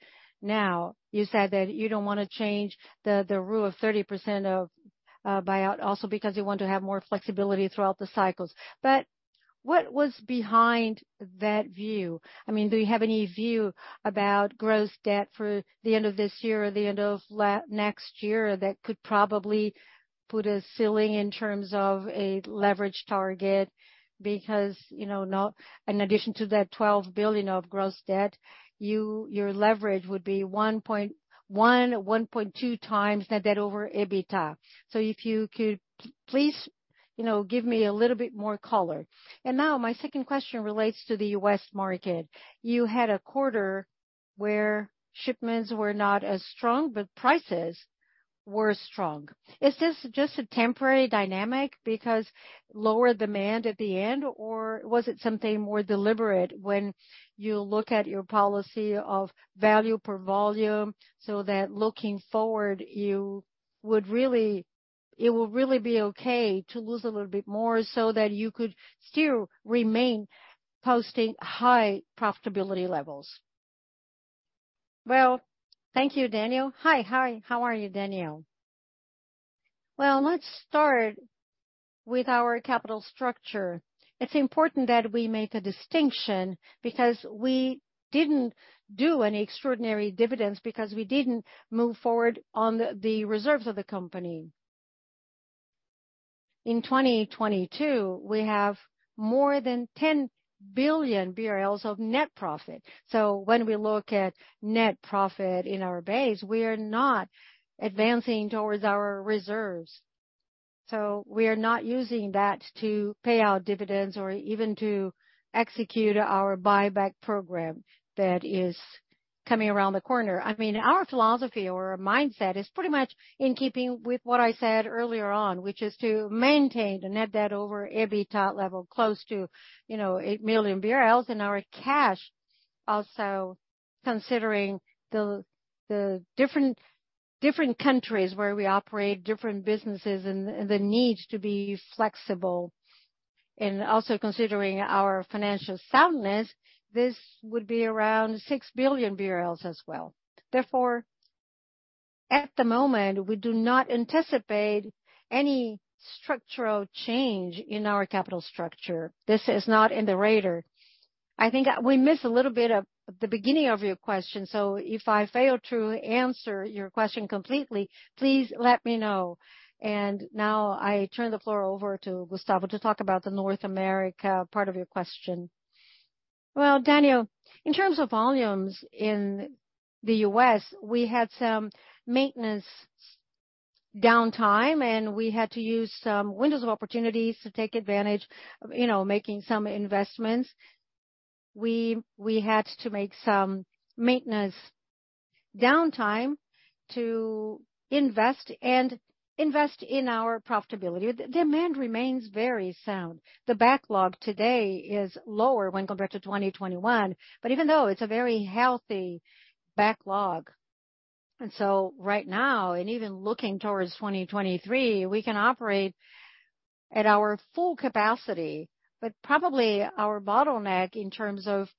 now. You said that you don't wanna change the rule of 30% of buyback also because you want to have more flexibility throughout the cycles. What was behind that view? I mean, do you have any view about gross debt for the end of this year or the end of next year that could probably put a ceiling in terms of a leverage target? Because, now in addition to that 12 billion of gross debt, you, your leverage would be 1.1-1.2 times net debt over EBITDA. So, if you could please, give me a little bit more color. Now my second question relates to the U.S. market. You had a quarter where shipments were not as strong, but prices were strong. Is this just a temporary dynamic because lower demand at the end, or was it something more deliberate when you look at your policy of value per volume, so that looking forward, you would really. It will really be okay to lose a little bit more so that you could still remain posting high profitability levels. Well, thank you, Daniel. Hi, how are you, Daniel? Well, let's start with our capital structure. It's important that we make a distinction because we didn't do any extraordinary dividends because we didn't move forward on the reserves of the company. In 2022, we have more than 10 billion reais of net profit. So when we look at net profit in our base, we are not advancing towards our reserves. So we are not using that to pay out dividends or even to execute our buyback program that is coming around the corner. I mean, our philosophy or mindset is pretty much in keeping with what I said earlier on, which is to maintain the net debt over EBITDA level close to, 1.8x. Our cash, also considering the different countries where we operate different businesses and the need to be flexible and also considering our financial soundness, this would be around 6 billion BRL as well. Therefore, at the moment, we do not anticipate any structural change in our capital structure. This is not on the radar. I think we missed a little bit of the beginning of your question, so if I failed to answer your question completely, please let me know. Now I turn the floor over to Gustavo to talk about the North America part of your question. Well, Daniel, in terms of volumes in the U.S., we had some maintenance downtime, and we had to use some windows of opportunities to take advantage, making some investments. We had to make some maintenance downtime to invest in our profitability. Demand remains very sound. The backlog today is lower when compared to 2021, but even though it's a very healthy backlog. Right now, and even looking towards 2023, we can operate at our full capacity. But probably our bottleneck in terms of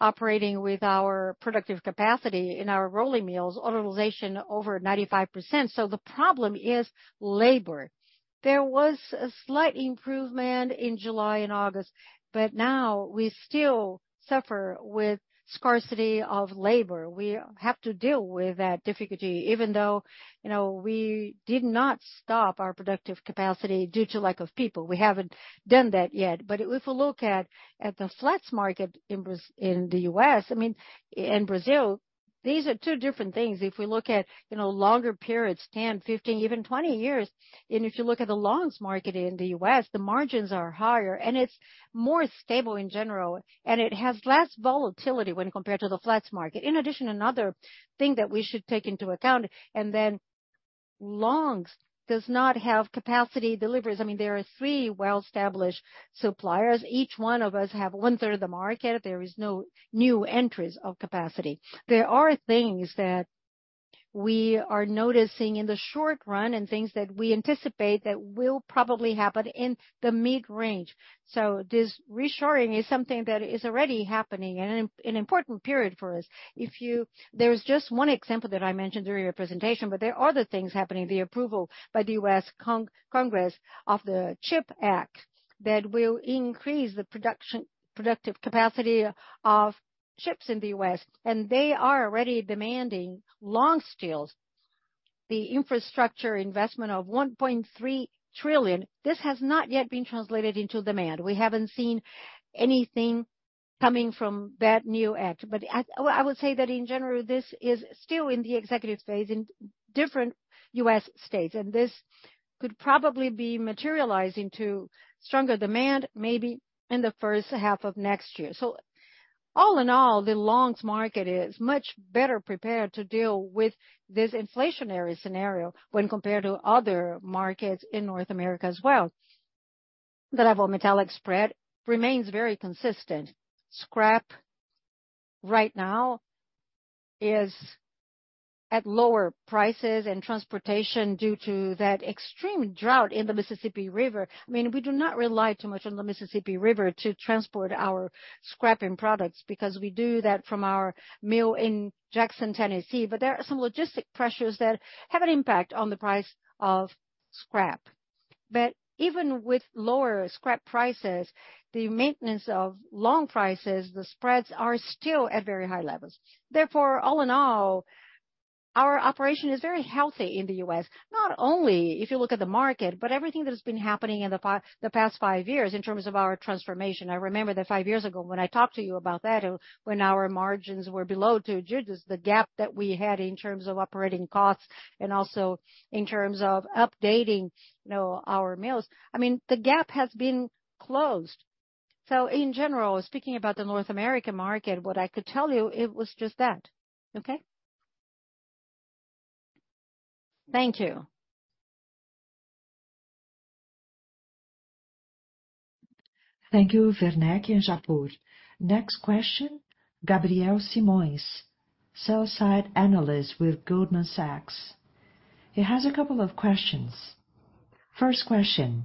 operating with our productive capacity in our rolling mills utilization over 95%. So the problem is labor. There was a slight improvement in July and August, but now we still suffer with scarcity of labor. We have to deal with that difficulty. Even though, we did not stop our productive capacity due to lack of people. We haven't done that yet. If we look at the flats market in the U.S..., I mean, in Brazil, these are two different things. If we look at, longer periods, 10, 15, even 20 years, and if you look at the longs market in the US, the margins are higher and it's more stable in general, and it has less volatility when compared to the flats market. In addition, another thing that we should take into account, and then longs does not have capacity deliveries. I mean, there are three well-established suppliers. Each one of us have one-third of the market. There is no new entries of capacity. There are things that we are noticing in the short run and things that we anticipate that will probably happen in the mid-range. This reshoring is something that is already happening and an important period for us. There's just one example that I mentioned during the presentation, but there are other things happening. The approval by the U.S. Congress of the CHIPS Act that will increase the productive capacity of chips in the U.S., and they are already demanding long steel. The infrastructure investment of $1.3 trillion, this has not yet been translated into demand. We haven't seen anything coming from that new act. I would say that in general, this is still in the executive phase in different U.S. states, and this could probably be materializing to stronger demand maybe in the first half of next year. All in all, the longs market is much better prepared to deal with this inflationary scenario when compared to other markets in North America as well. The level metallic spread remains very consistent. Scrap right now is at lower prices and transportation due to that extreme drought in the Mississippi River. I mean, we do not rely too much on the Mississippi River to transport our scrap end products because we do that from our mill in Jackson, Tennessee. There are some logistical pressures that have an impact on the price of scrap. Even with lower scrap prices, the maintenance of long prices, the spreads are still at very high levels. Therefore, all in all, our operation is very healthy in the U.S., not only if you look at the market, but everything that has been happening in the past five years in terms of our transformation. I remember that five years ago when I talked to you about that, when our margins were below two digits, the gap that we had in terms of operating costs and also in terms of updating, our mills. I mean, the gap has been closed. In general, speaking about the North American market, what I could tell you. It was just that. Okay. Thank you. Thank you, Werneck and Japur. Next question, Gabriel Simões, Sell-Side Analyst with Goldman Sachs. He has a couple of questions. First question.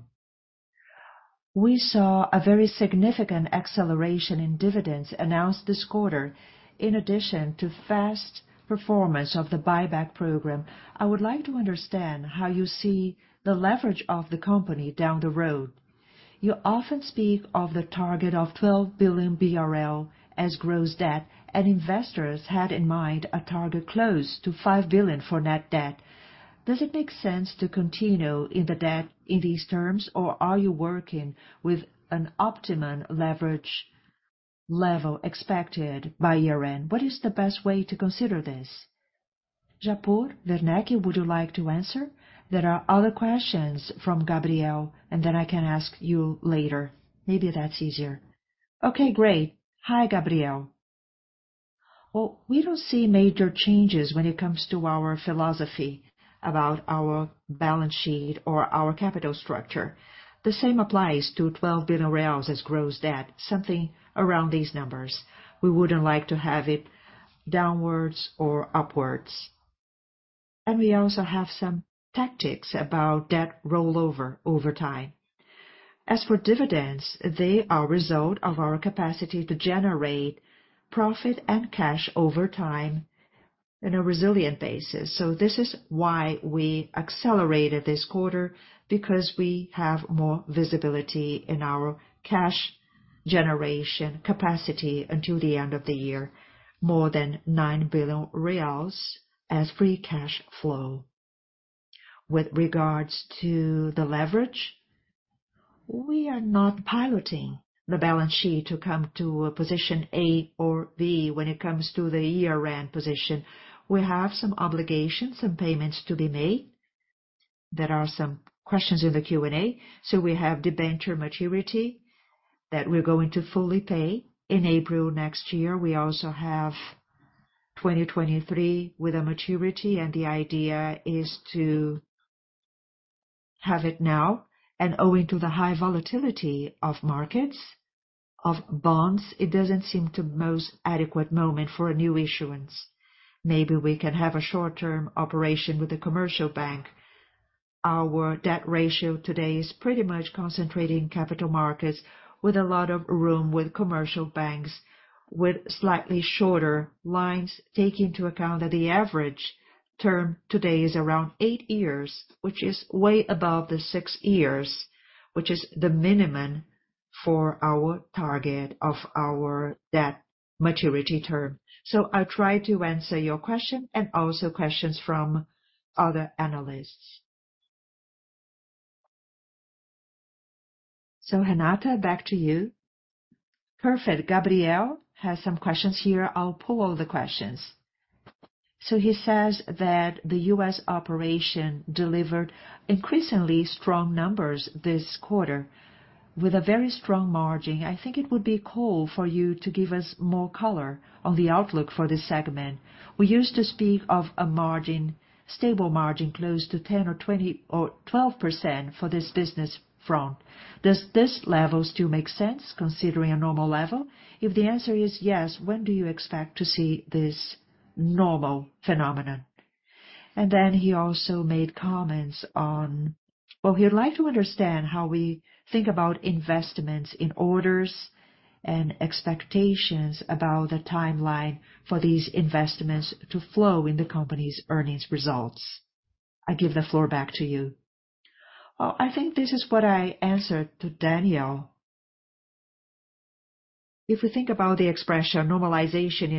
We saw a very significant acceleration in dividends announced this quarter, in addition to fast performance of the buyback program. I would like to understand how you see the leverage of the company down the road. You often speak of the target of 12 billion BRL as gross debt, and investors had in mind a target close to 5 billion for net debt. Does it make sense to continue in the debt in these terms, or are you working with an optimum leverage level expected by year-end? What is the best way to consider this? Japur, Werneck, would you like to answer? There are other questions from Gabriel, and then I can ask you later. Maybe that's easier. Okay, great. Hi, Gabriel. Well, we don't see major changes when it comes to our philosophy about our balance sheet or our capital structure. The same applies to 12 billion reais as gross debt, something around these numbers. We wouldn't like to have it downwards or upwards. We also have some tactics about debt rollover over time. As for dividends, they are a result of our capacity to generate profit and cash over time in a resilient basis. This is why we accelerated this quarter, because we have more visibility in our cash generation capacity until the end of the year, more than 9 billion reais as free cash flow. With regards to the leverage, we are not piloting the balance sheet to come to a position A or B when it comes to the year-end position. We have some obligations, some payments to be made. There are some questions in the Q&A. We have debenture maturity that we're going to fully pay in April next year. We also have 2023 with a maturity, and the idea is to have it now. Owing to the high volatility of markets, of bonds, it doesn't seem the most adequate moment for a new issuance. Maybe we can have a short-term operation with the commercial bank. Our debt ratio today is pretty much concentrated in capital markets with a lot of room with commercial banks with slightly shorter lines, taking into account that the average term today is around eight years, which is way above the six years, which is the minimum for our target of our debt maturity term. I'll try to answer your question and also questions from other analysts. Renata, back to you. Perfect. Gabriel has some questions here. I'll pull all the questions. He says that the U.S. operation delivered increasingly strong numbers this quarter with a very strong margin. I think it would be cool for you to give us more color on the outlook for this segment. We used to speak of a margin, stable margin close to 10% or 20% or 12% for this business front. Does this level still make sense considering a normal level? If the answer is yes, when do you expect to see this normal phenomenon? He also made comments on. Well, he would like to understand how we think about investments in orders and expectations about the timeline for these investments to flow in the company's earnings results. I give the floor back to you. Well, I think this is what I answered to Daniel. If we think about the expression normalization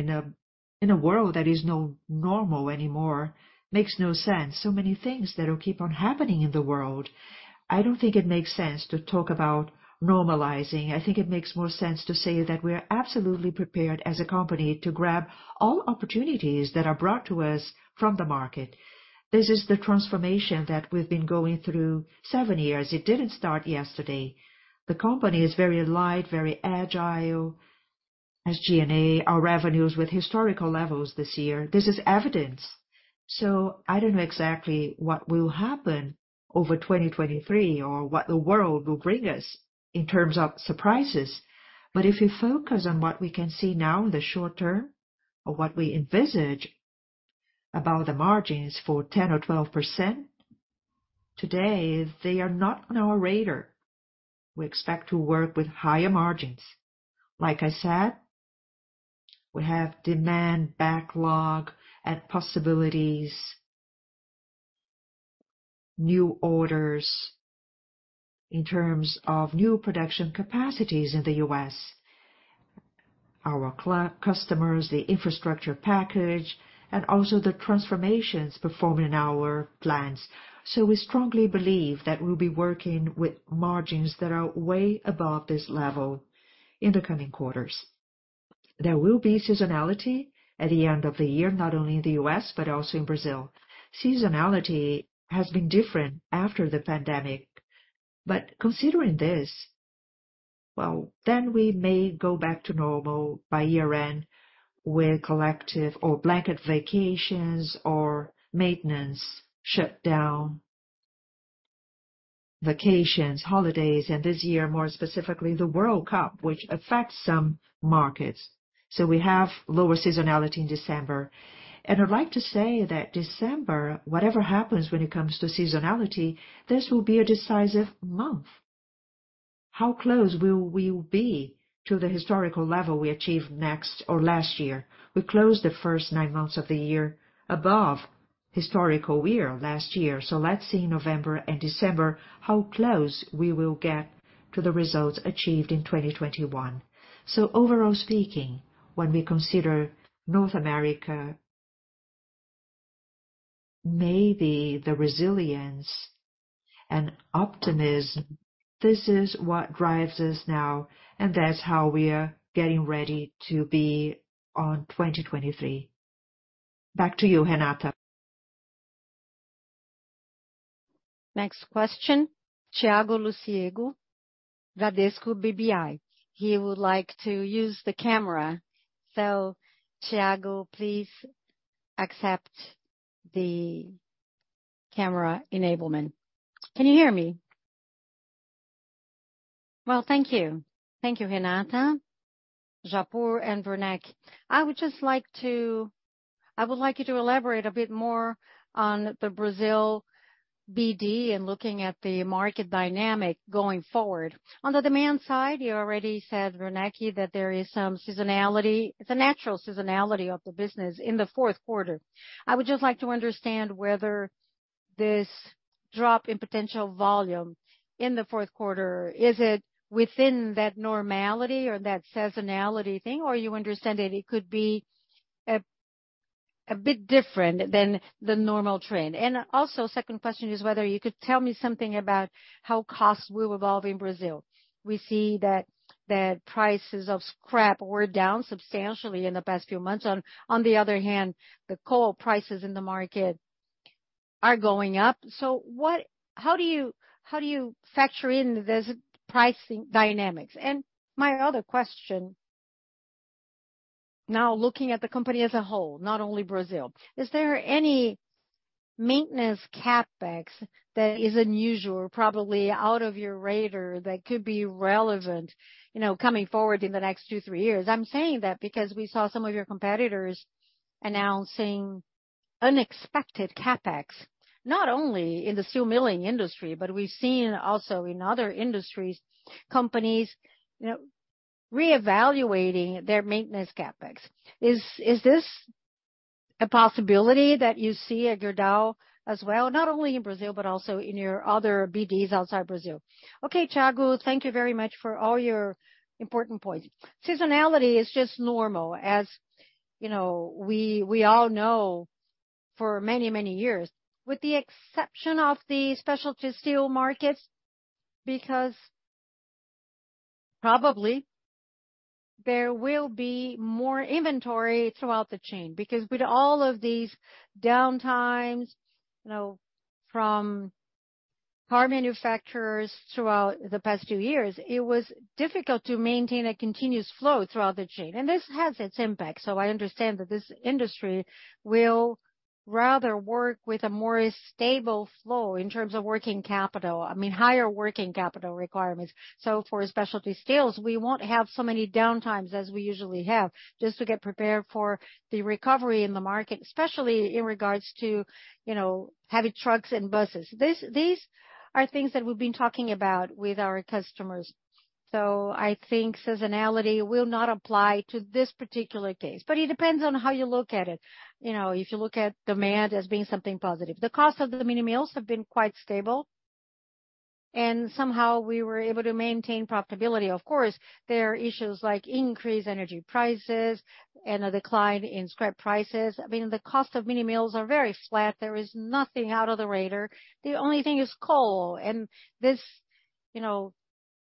in a world that is not normal anymore, it makes no sense. Many things that will keep on happening in the world. I don't think it makes sense to talk about normalizing. I think it makes more sense to say that we are absolutely prepared as a company to grab all opportunities that are brought to us from the market. This is the transformation that we've been going through seven years. It didn't start yesterday. The company is very light, very agile. SG&A at historical lows this year, this is evidence. I don't know exactly what will happen over 2023 or what the world will bring us in terms of surprises. If you focus on what we can see now in the short term or what we envisage about the margins for 10%-12%, today, they are not on our radar. We expect to work with higher margins. Like I said, we have demand backlog and possibilities, new orders in terms of new production capacities in the U.S. Our customers, the infrastructure package, and also the transformations performed in our plants. We strongly believe that we'll be working with margins that are way above this level in the coming quarters. There will be seasonality at the end of the year, not only in the U.S., but also in Brazil. Seasonality has been different after the pandemic. Considering this, well, then we may go back to normal by year-end with collective or blanket vacations or maintenance shut down. Vacations, holidays, and this year, more specifically, the World Cup, which affects some markets. We have lower seasonality in December. I'd like to say that December, whatever happens when it comes to seasonality, this will be a decisive month. How close will we be to the historical level we achieved next or last year? We closed the first nine months of the year above historical year last year. Let's see November and December how close we will get to the results achieved in 2021. Overall speaking, when we consider North America. Maybe the resilience and optimism, this is what drives us now, and that's how we are getting ready to be on 2023. Back to you, Renata. Next question, Thiago Lofiego, Bradesco BBI. He would like to use the camera. Tiago, please accept the camera enablement. Can you hear me? Well, thank you. Thank you, Renata, Japur, and Werneck. I would like you to elaborate a bit more on the Brazil BD and looking at the market dynamic going forward. On the demand side, you already said, Werneck, that there is some seasonality. It's a natural seasonality of the business in the Q4. I would just like to understand whether this drop in potential volume in the Q4 is within that normality or that seasonality thing, or you understand that it could be a bit different than the normal trend? Second question is whether you could tell me something about how costs will evolve in Brazil. We see that the prices of scrap were down substantially in the past few months. On the other hand, the coal prices in the market are going up. What, how do you factor in this pricing dynamics? My other question, now looking at the company as a whole, not only Brazil, is there any maintenance CapEx that is unusual, probably out of your radar, that could be relevant,, coming forward in the next 2, 3 years? I'm saying that because we saw some of your competitors announcing unexpected CapEx, not only in the steel milling industry, but we've seen also in other industries, companies, reevaluating their maintenance CapEx. Is this a possibility that you see at Gerdau as well, not only in Brazil but also in your other BDs outside Brazil? Okay, Thiago, thank you very much for all your important points. Seasonality is just normal, as you know, we all know for many, many years. With the exception of the specialty steel markets, because probably there will be more inventory throughout the chain. With all of these downtimes, from car manufacturers throughout the past two years, it was difficult to maintain a continuous flow throughout the chain. This has its impact. I understand that this industry will rather work with a more stable flow in terms of working capital. I mean, higher working capital requirements. For specialty steels, we won't have so many downtimes as we usually have just to get prepared for the recovery in the market, especially in regard to, heavy trucks and buses. These are things that we've been talking about with our customers. I think seasonality will not apply to this particular case, but it depends on how you look at it. You know, if you look at demand as being something positive. The cost of the mini mills have been quite stable, and somehow, we were able to maintain profitability. Of course, there are issues like increased energy prices and a decline in scrap prices. I mean, the cost of mini mills are very flat. There is nothing out of the radar. The only thing is coal, and this,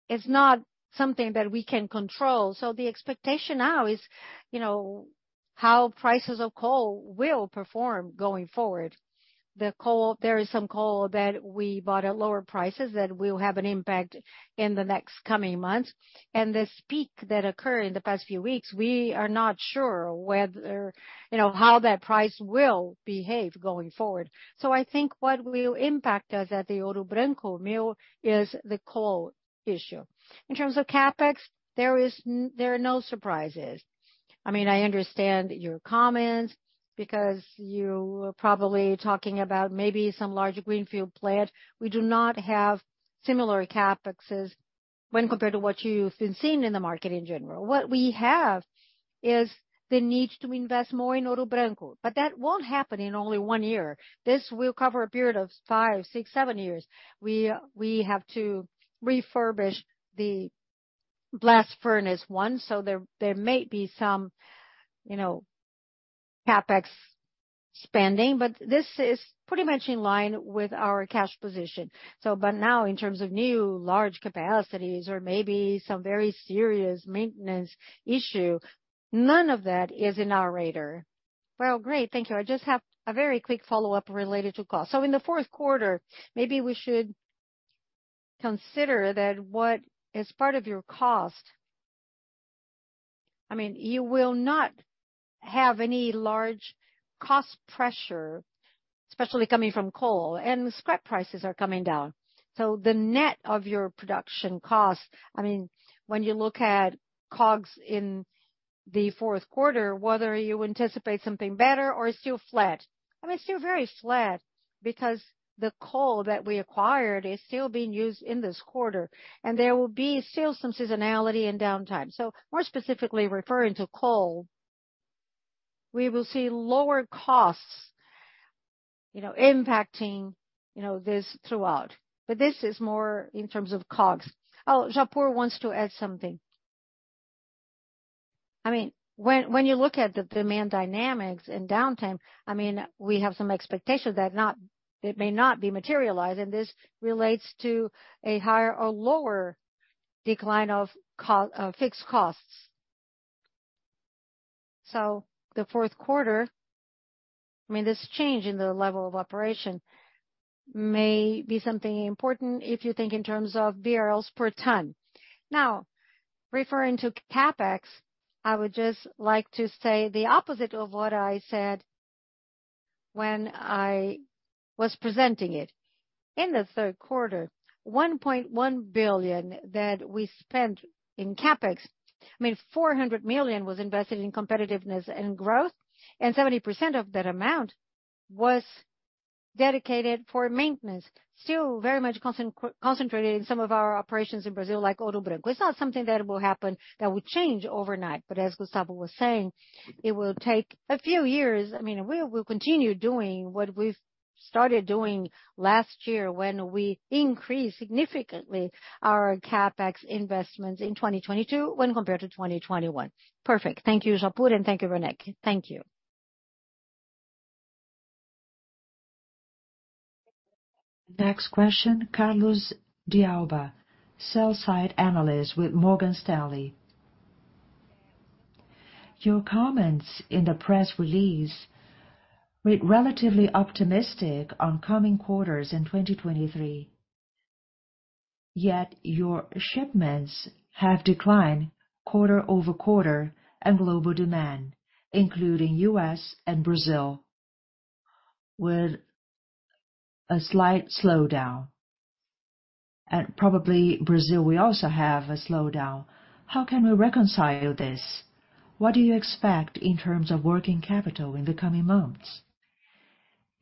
is not something that we can control. The expectation now is, how prices of coal will perform going forward. The coal. There is some coal that we bought at lower prices that will have an impact in the next coming months. This peak that occurred in the past few weeks, we are not sure whether, how that price will behave going forward. I think what will impact us at the Ouro Branco mill is the coal issue. In terms of CapEx, there are no surprises. I mean, I understand your comments because you are probably talking about maybe some larger greenfield plant. We do not have similar CapExes when compared to what you've been seeing in the market in general. What we have is the need to invest more in Ouro Branco, but that won't happen in only one year. This will cover a period of five, six, seven years. We have to refurbish the blast furnace one, so there may be some, CapEx spending, but this is pretty much in line with our cash position. But now, in terms of new large capacities or maybe some very serious maintenance issue, none of that is in our radar. Well, great. Thank you. I just have a very quick follow-up related to cost. In the Q4, maybe we should consider that what is part of your cost. I mean, you will not have any large cost pressure, especially coming from coal, and scrap prices are coming down. The net of your production costs, I mean, when you look at COGS in the Q4, whether you anticipate something better or still flat. I mean, still very flat because the coal that we acquired is still being used in this quarter, and there will be still some seasonality and downtime. More specifically referring to coal, we will see lower costs, impacting, this throughout. But this is more in terms of COGS. Oh, Japur wants to add something. I mean, when you look at the demand dynamics and downtime, I mean, we have some expectations that it may not be materialized, and this relates to a higher or lower decline of fixed costs. The Q4, I mean, this change in the level of operation may be something important if you think in terms of barrels per ton. Now, referring to CapEx, I would just like to say the opposite of what I said when I was presenting it. In the Q3, 1.1 billion that we spent in CapEx, I mean, 400 million was invested in competitiveness and growth, and 70% of that amount was dedicated for maintenance. Still very much concentrating some of our operations in Brazil, like Ouro Branco. It's not something that will happen, that will change overnight. As Gustavo was saying, it will take a few years. I mean, we will continue doing what we've started doing last year when we increased significantly our CapEx investments in 2022 when compared to 2021. Perfect. Thank you, Japur, and thank you, Rene. Thank you. Next question, Carlos de Alba, Sell-Side Analyst with Morgan Stanley. Your comments in the press release read relatively optimistic on coming quarters in 2023. Yet your shipments have declined quarter-over-quarter, and global demand, including U.S. and Brazil, with a slight slowdown. Probably Brazil will also have a slowdown. How can we reconcile this? What do you expect in terms of working capital in the coming months?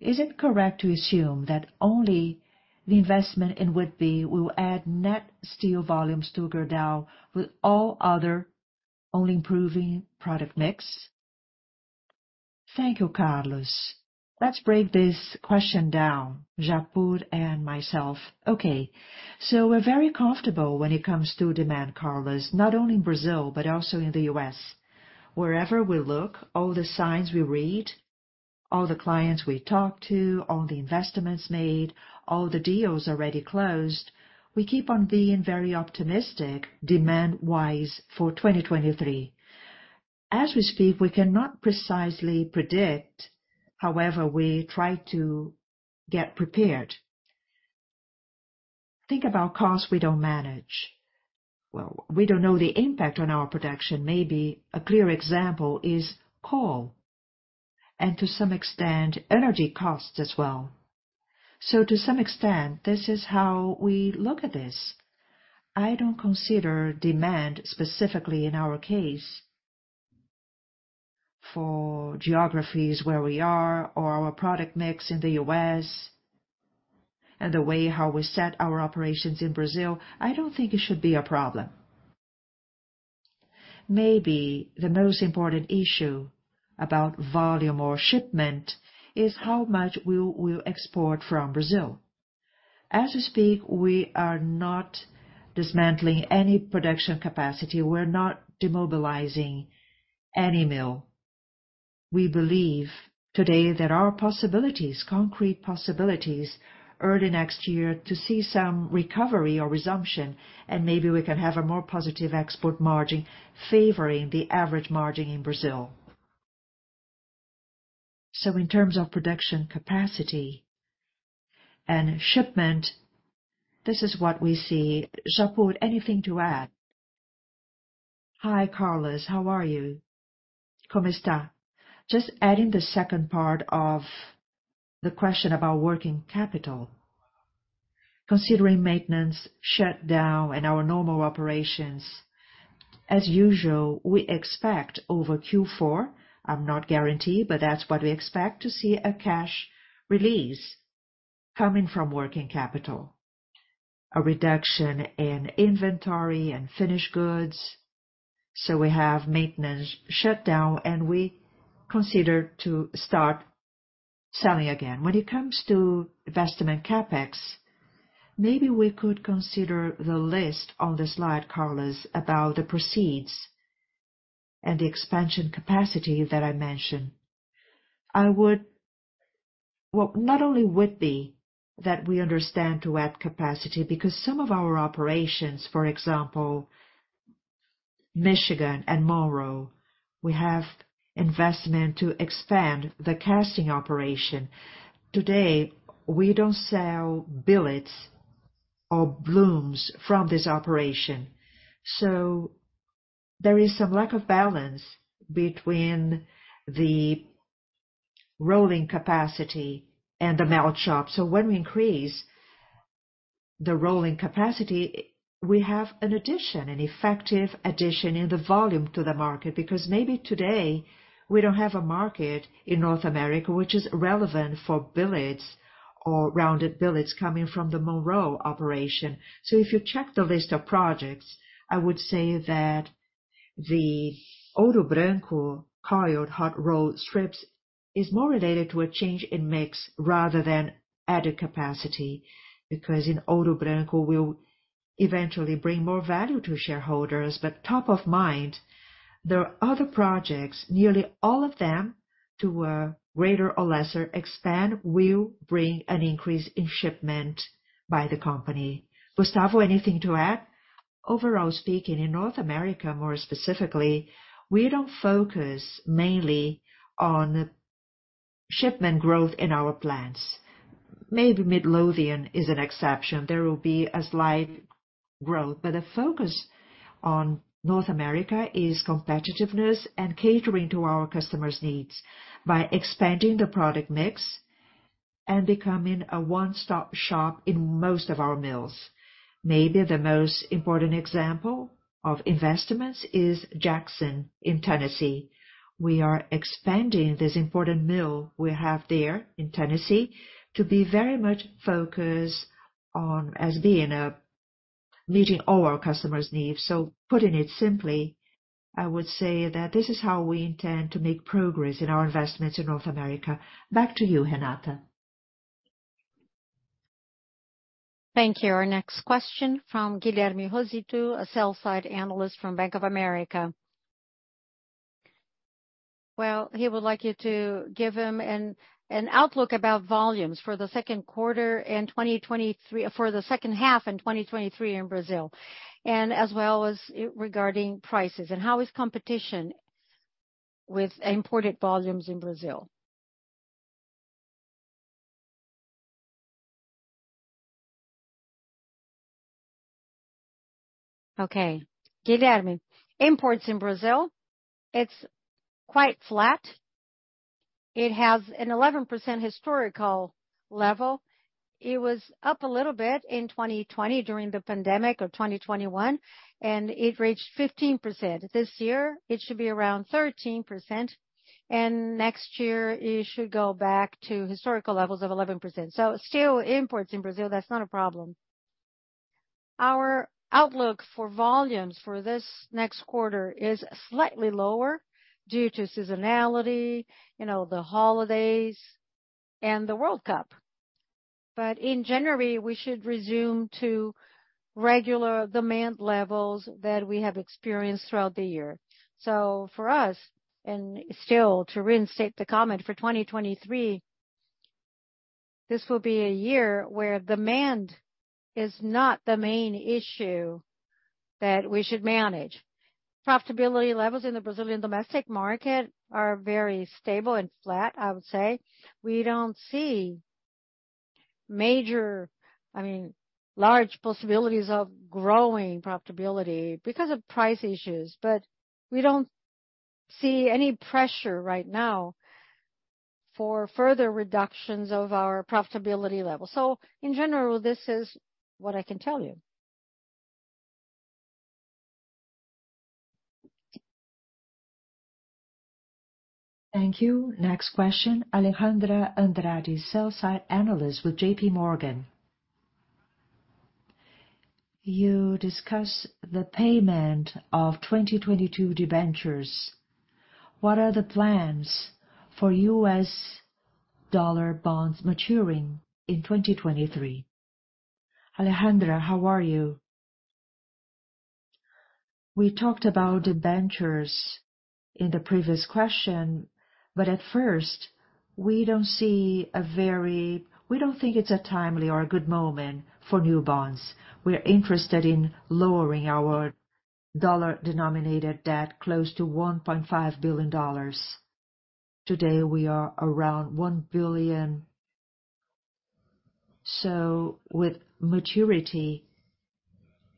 Is it correct to assume that only the investment in Whitby will add net steel volumes to Gerdau, with all other only improving product mix? Thank you, Carlos. Let's break this question down, Japur and myself. Okay. We're very comfortable when it comes to demand, Carlos, not only in Brazil, but also in the U.S. Wherever we look, all the signs we read, all the clients we talk to, all the investments made, all the deals already closed, we keep on being very optimistic demand-wise for 2023. As we speak, we cannot precisely predict. However, we try to get prepared. Think about costs we don't manage. Well, we don't know the impact on our production. Maybe a clear example is coal, and to some extent, energy costs as well. To some extent, this is how we look at this. I don't consider demand specifically in our case. For geographies where we are or our product mix in the U.S. and the way how we set our operations in Brazil, I don't think it should be a problem. Maybe the most important issue about volume or shipment is how much we will export from Brazil. As we speak, we are not dismantling any production capacity. We're not demobilizing any mill. We believe today there are possibilities, concrete possibilities early next year to see some recovery or resumption, and maybe we can have a more positive export margin favoring the average margin in Brazil. In terms of production capacity and shipment, this is what we see. Japur, anything to add? Hi, Carlos, how are you? Just adding the second part of the question about working capital. Considering maintenance, shutdown, and our normal operations, as usual, we expect over Q4, I'm not guarantee, but that's what we expect to see a cash release coming from working capital. A reduction in inventory and finished goods. We have maintenance shut down and we consider to start selling again. When it comes to investment CapEx, maybe we could consider the list on the slide, Carlos, about the proceeds and the expansion capacity that I mentioned. Well, not only Whitby that we understand to add capacity, because some of our operations, for example, Michigan and Monroe, we have investment to expand the casting operation. Today, we don't sell billets. Blooms from this operation. There is some lack of balance between the rolling capacity and the melt shop. When we increase the rolling capacity, we have an addition, an effective addition in the volume to the market, because maybe today we don't have a market in North America which is relevant for billets or rounded billets coming from the Monroe operation. If you check the list of projects, I would say that the Ouro Branco coiled hot-rolled strips is more related to a change in mix rather than added capacity. Because in Ouro Branco will eventually bring more value to shareholders. Top of mind, there are other projects, nearly all of them, to a greater or lesser extent, will bring an increase in shipment by the company. Gustavo, anything to add? Overall speaking, in North America, more specifically, we don't focus mainly on shipment growth in our plants. Maybe Midlothian is an exception. There will be a slight growth. But the focus on North America is competitiveness and catering to our customers' needs by expanding the product mix and becoming a one-stop shop in most of our mills. Maybe the most important example of investments is Jackson in Tennessee. We are expanding this important mill we have there in Tennessee to be very much focused on as being a meeting all our customers' needs. Putting it simply, I would say that this is how we intend to make progress in our investments in North America. Back to you, Renata. Thank you. Our next question from Guilherme Rosito, a Sell-side Analyst from Bank of America. Well, he would like you to give him an outlook about volumes for the second half in 2023 in Brazil, and as well as regarding prices. How is competition with imported volumes in Brazil? Okay. Guilherme, imports in Brazil, it's quite flat. It has an 11% historical level. It was up a little bit in 2020 during the pandemic of 2021, and it reached 15%. This year it should be around 13%, and next year it should go back to historical levels of 11%. Still imports in Brazil, that's not a problem. Our outlook for volumes for this next quarter is slightly lower due to seasonality, the holidays and the World Cup. In January, we should resume to regular demand levels that we have experienced throughout the year. For us, and still to reinstate the comment, for 2023, this will be a year where demand is not the main issue that we should manage. Profitability levels in the Brazilian domestic market are very stable and flat, I would say. We don't see major, I mean, large possibilities of growing profitability because of price issues. But we don't see any pressure right now for further reductions of our profitability level. In general, this is what I can tell you. Thank you. Next question, Alejandra Andrade, Sell Side Analyst with JPMorgan Chase & Co. You discussed the payment of 2022 debentures. What are the plans for U.S. dollar bonds maturing in 2023? Alejandra Andrade, how are you? We talked about debentures in the previous question, but we don't think it's a timely or a good moment for new bonds. We're interested in lowering our dollar-denominated debt close to $1.5 billion. Today we are around $1 billion. With maturity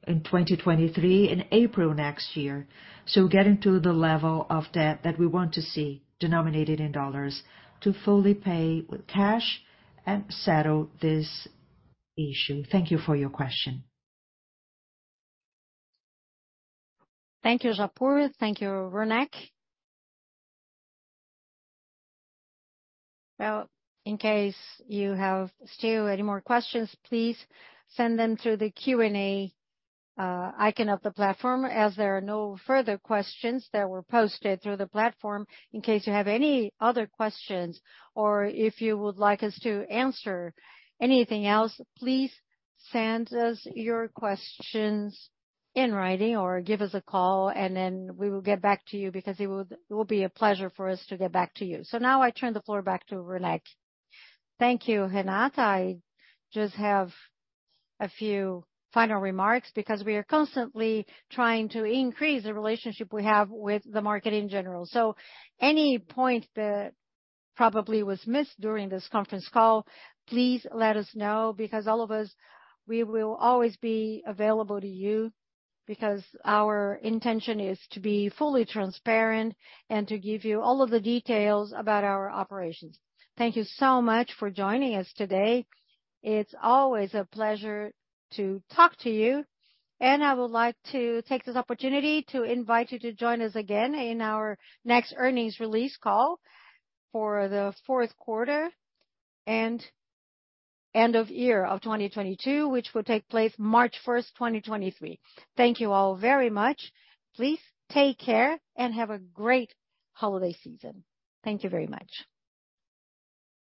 in 2023, in April next year. Getting to the level of debt that we want to see denominated in dollars to fully pay with cash and settle this issue. Thank you for your question. Thank you, Rafael Japur. Thank you, Gustavo Werneck. Well, in case you have still any more questions, please send them through the Q&A icon of the platform, as there are no further questions that were posted through the platform. In case you have any other questions or if you would like us to answer anything else, please send us your questions in writing or give us a call, and then we will get back to you because it will be a pleasure for us to get back to you. Now I turn the floor back to Werneck. Thank you, Renata. I just have a few final remarks because we are constantly trying to increase the relationship we have with the market in general. Any point that probably was missed during this conference call, please let us know, because all of us, we will always be available to you because our intention is to be fully transparent and to give you all of the details about our operations. Thank you so much for joining us today. It's always a pleasure to talk to you. I would like to take this opportunity to invite you to join us again in our next earnings release call for the Q4 and end of year of 2022, which will take place March 1, 2023. Thank you all very much. Please take care and have a great holiday season. Thank you very much.